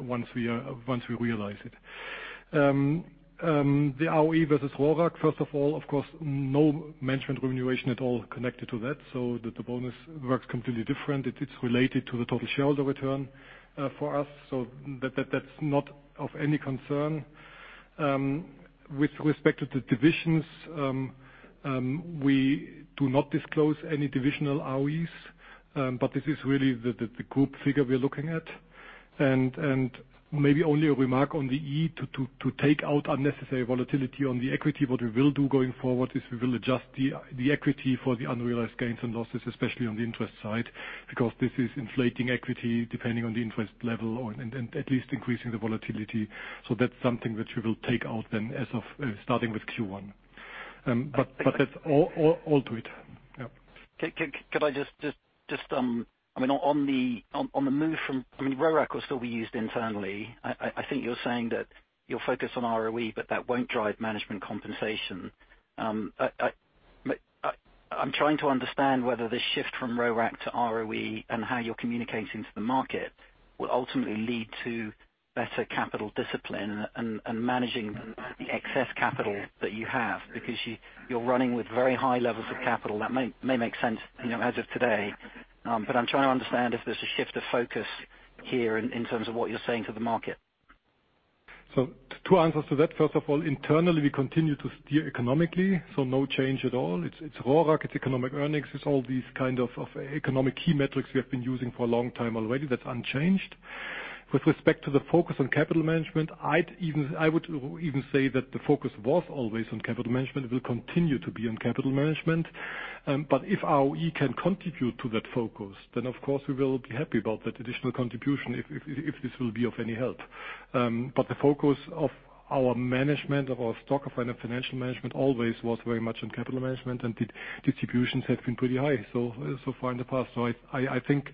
Speaker 4: once we realize it. The ROE versus RoRAC. First of all, of course, no management remuneration at all connected to that, the bonus works completely different. It's related to the total shareholder return, for us. That's not of any concern. With respect to the divisions, we do not disclose any divisional ROEs. This is really the group figure we're looking at. Maybe only a remark on the E to take out unnecessary volatility on the equity. What we will do going forward is we will adjust the equity for the unrealized gains and losses, especially on the interest side, because this is inflating equity depending on the interest level and at least increasing the volatility. That's something which we will take out then as of starting with Q1. That's all to it. Yep.
Speaker 15: On the move from, ROE will still be used internally. I think you're saying that you're focused on ROE, that won't drive management compensation. I'm trying to understand whether the shift from RoRAC to ROE and how you're communicating to the market will ultimately lead to better capital discipline and managing the excess capital that you have, because you're running with very high levels of capital that may make sense as of today. I'm trying to understand if there's a shift of focus here in terms of what you're saying to the market.
Speaker 4: Two answers to that. First of all, internally, we continue to steer economically, so no change at all. Its RoRAC, its economic earnings, it is all these economic key metrics we have been using for a long time already that is unchanged. With respect to the focus on capital management, I would even say that the focus was always on capital management. It will continue to be on capital management. If ROE can contribute to that focus, then of course, we will be happy about that additional contribution if this will be of any help. The focus of our management, of our stock, of our financial management always was very much on capital management, and distributions have been pretty high so far in the past. I think,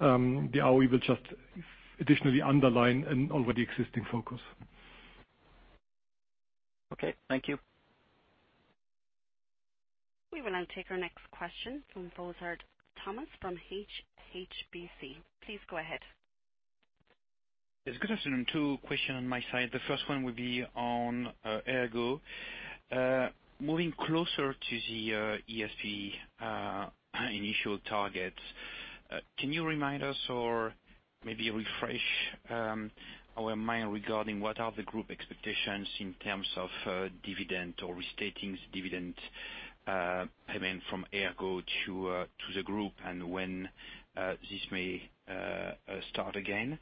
Speaker 4: the ROE will just additionally underline an already existing focus.
Speaker 15: Okay. Thank you.
Speaker 1: We will now take our next question from Thomas Fossard from HSBC. Please go ahead.
Speaker 16: Yes. Good afternoon. Two question on my side. The first one would be on ERGO. Moving closer to the ESP initial targets, can you remind us or maybe refresh our mind regarding what are the Group expectations in terms of dividend or restatings dividend payment from ERGO to the Group and when this may start again?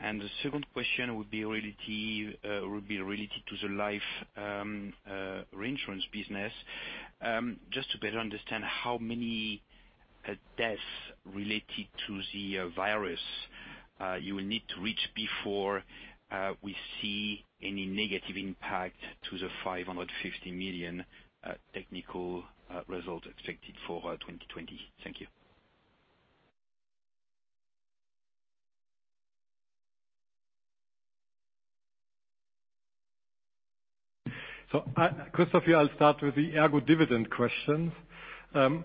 Speaker 16: The second question would be related to the life Reinsurance business. Just to better understand how many deaths related to the virus you will need to reach before we see any negative impact to the 550 million technical result expected for 2020. Thank you.
Speaker 4: Christoph here, I'll start with the ERGO dividend question. There,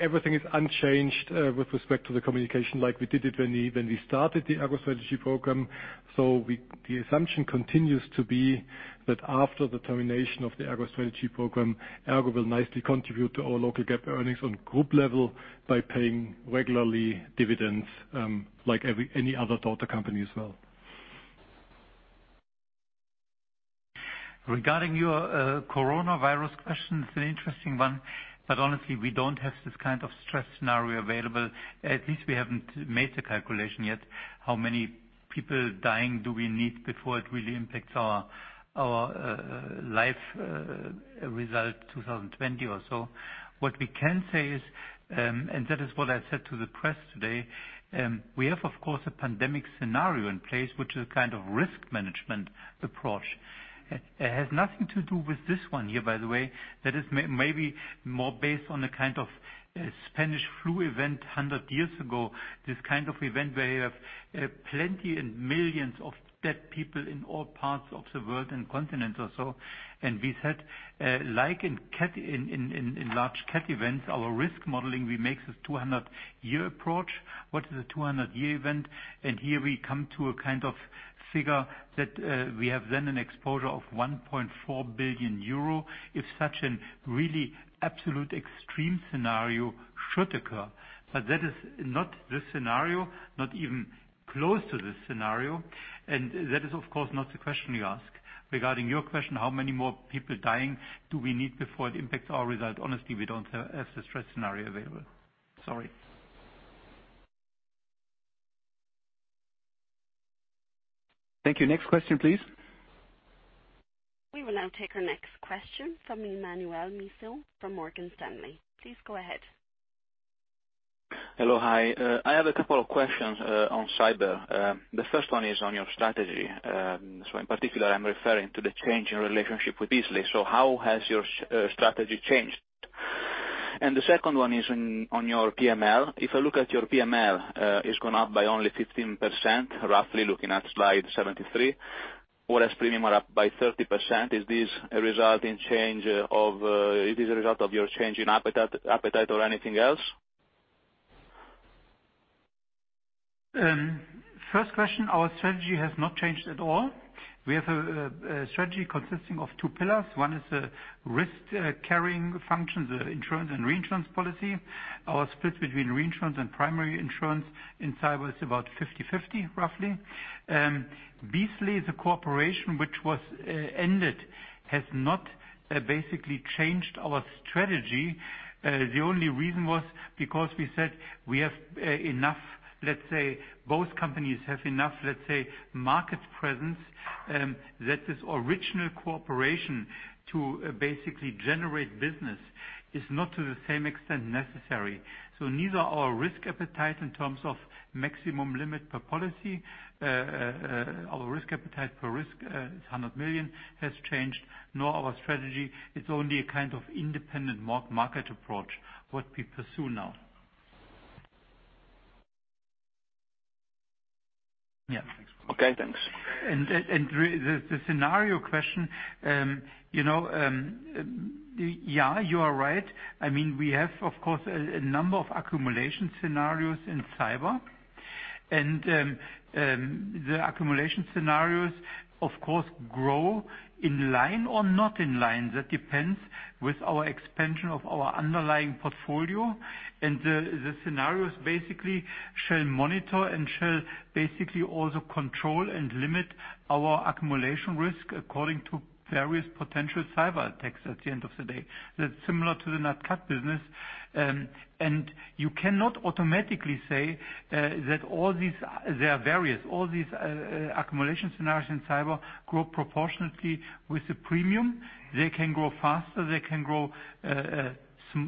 Speaker 4: everything is unchanged, with respect to the communication like we did it when we started the ERGO Strategy Programme. The assumption continues to be that after the termination of the ERGO Strategy Programme, ERGO will nicely contribute to our local GAAP earnings on Group level by paying regularly dividends, like any other daughter company as well.
Speaker 6: Regarding your coronavirus question, it's an interesting one. Honestly, we don't have this kind of stress scenario available. At least we haven't made the calculation yet. How many people dying do we need before it really impacts our life result 2020 or so. What we can say is, that is what I said to the press today, we have, of course, a pandemic scenario in place, which is a risk management approach. It has nothing to do with this one here, by the way. That is maybe more based on a Spanish flu event 100 years ago. This kind of event where you have plenty and millions of dead people in all parts of the world and continents or so. We said, like in large CAT events, our risk modeling, we make this 200-year approach. What is a 200-year event? Here we come to a figure that we have then an exposure of 1.4 billion euro. If such an really absolute extreme scenario should occur. That is not the scenario, not even close to the scenario. That is, of course, not the question you ask. Regarding your question, how many more people dying do we need before it impacts our result? Honestly, we don't have the stress scenario available. Sorry.
Speaker 2: Thank you. Next question, please.
Speaker 1: We will now take our next question from Emanuele Musio from Morgan Stanley. Please go ahead.
Speaker 17: Hello. Hi. I have a couple of questions on Cyber. The first one is on your strategy. In particular, I'm referring to the change in relationship with Beazley. How has your strategy changed? The second one is on your PML. If I look at your PML, it's gone up by only 15%, roughly looking at slide 73. Whereas premium are up by 30%. Is this a result of your change in appetite or anything else?
Speaker 6: First question, our strategy has not changed at all. We have a strategy consisting of two pillars. One is a risk carrying function, the insurance and Reinsurance policy. Our split between Reinsurance and primary insurance in Cyber is about 50/50, roughly. Beazley, the cooperation, which was ended, has not basically changed our strategy. The only reason was because we said we have enough, both companies have enough market presence, that this original cooperation to basically generate business is not to the same extent necessary. Neither our risk appetite in terms of maximum limit per policy, our risk appetite per risk, is 100 million, has changed. Nor our strategy. It's only a kind of independent market approach, what we pursue now.
Speaker 17: Okay, thanks.
Speaker 6: The scenario question, yeah, you are right. We have, of course, a number of accumulation scenarios in Cyber, and the accumulation scenarios, of course, grow in line or not in line. That depends with our expansion of our underlying portfolio. The scenarios basically shall monitor and shall basically also control and limit our accumulation risk according to various potential cyber attacks at the end of the day. That's similar to the NatCat business. You cannot automatically say that all these, there are various, all these accumulation scenarios in Cyber grow proportionately with the premium. They can grow faster. They can grow to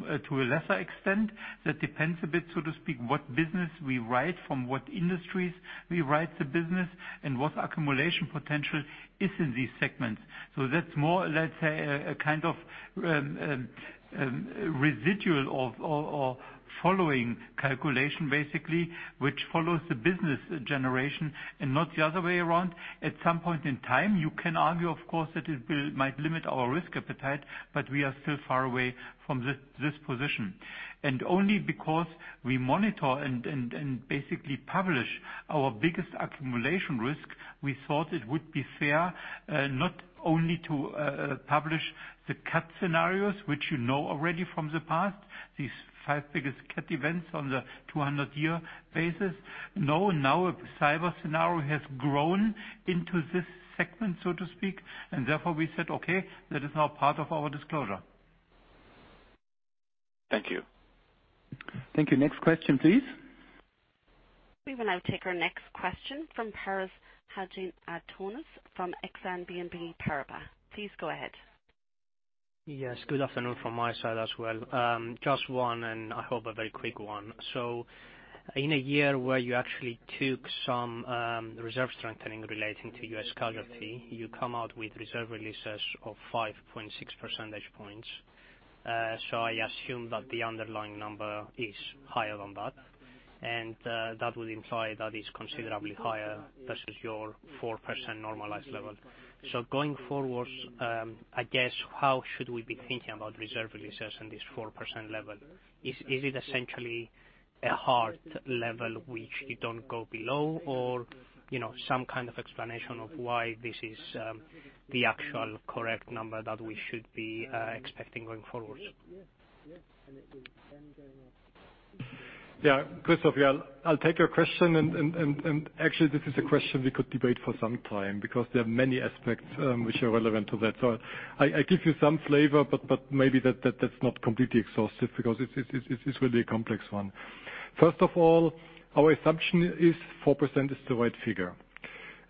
Speaker 6: a lesser extent. That depends a bit, so to speak, what business we write, from what industries we write the business, and what accumulation potential is in these segments. That's more, let's say, a kind of residual or following calculation, basically, which follows the business generation and not the other way around. At some point in time, you can argue, of course, that it might limit our risk appetite, but we are still far away from this position. Only because we monitor and basically publish our biggest accumulation risk, we thought it would be fair, not only to publish the CAT scenarios, which you know already from the past, these five biggest CAT events on the 200-year basis. Now a Cyber scenario has grown into this segment, so to speak, and therefore we said, okay, that is now part of our disclosure.
Speaker 17: Thank you.
Speaker 2: Thank you. Next question, please.
Speaker 1: We will now take our next question from Paris Hadjantonis from Exane BNP Paribas. Please go ahead.
Speaker 18: Yes, good afternoon from my side as well. Just one, and I hope a very quick one. In a year where you actually took some reserve strengthening relating to U.S. casualty, you come out with reserve releases of 5.6 percentage points. I assume that the underlying number is higher than that. That would imply that is considerably higher versus your 4% normalized level. Going forward, I guess, how should we be thinking about reserve releases and this 4% level? Is it essentially a hard level which you don't go below or some kind of explanation of why this is the actual correct number that we should be expecting going forward?
Speaker 4: Yeah, Christoph, I'll take your question. Actually, this is a question we could debate for some time because there are many aspects which are relevant to that. I give you some flavor, but maybe that's not completely exhaustive because it's really a complex one. First of all, our assumption is 4% is the right figure.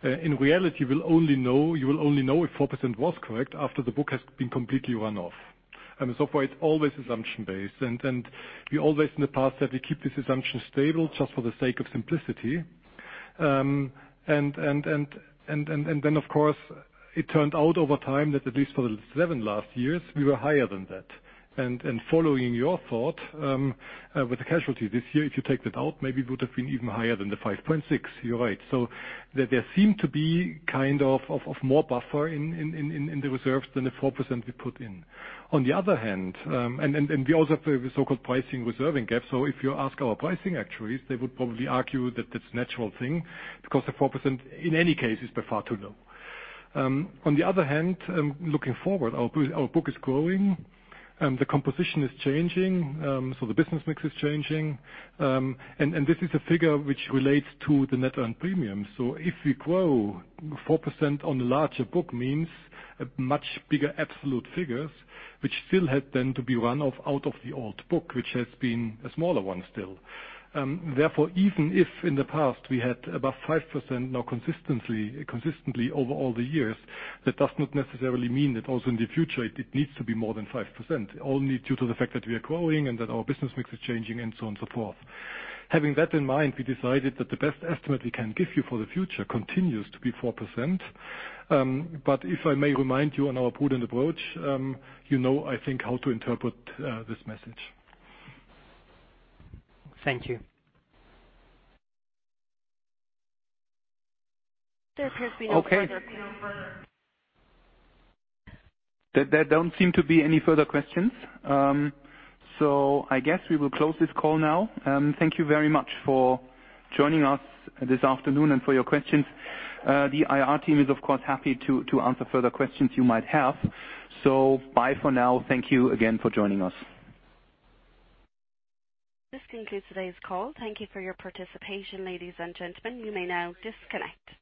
Speaker 4: In reality, you will only know if 4% was correct after the book has been completely run off. So far, it's always assumption-based. We always in the past said we keep this assumption stable just for the sake of simplicity. Then, of course, it turned out over time that at least for the seven last years, we were higher than that. Following your thought, with the casualty this year, if you take that out, maybe it would have been even higher than the 5.6%. You're right. There seem to be kind of more buffer in the reserves than the 4% we put in. On the other hand, we also have a so-called pricing reserving gap. If you ask our pricing actuaries, they would probably argue that it's a natural thing because the 4%, in any case, is by far too low. On the other hand, looking forward, our book is growing. The composition is changing. The business mix is changing. This is a figure which relates to the net earned premium. If we grow 4% on a larger book means a much bigger absolute figures, which still have then to be run off out of the old book, which has been a smaller one still.
Speaker 6: Even if in the past we had above 5% now consistently over all the years, that does not necessarily mean that also in the future it needs to be more than 5%, only due to the fact that we are growing and that our business mix is changing and so on and so forth. Having that in mind, we decided that the best estimate we can give you for the future continues to be 4%. If I may remind you on our prudent approach, you know, I think, how to interpret this message.
Speaker 18: Thank you.
Speaker 1: There appears to be no further-
Speaker 2: Okay. There don't seem to be any further questions. I guess we will close this call now. Thank you very much for joining us this afternoon and for your questions. The IR team is, of course, happy to answer further questions you might have. Bye for now. Thank you again for joining us.
Speaker 1: This concludes today's call. Thank you for your participation, ladies and gentlemen. You may now disconnect.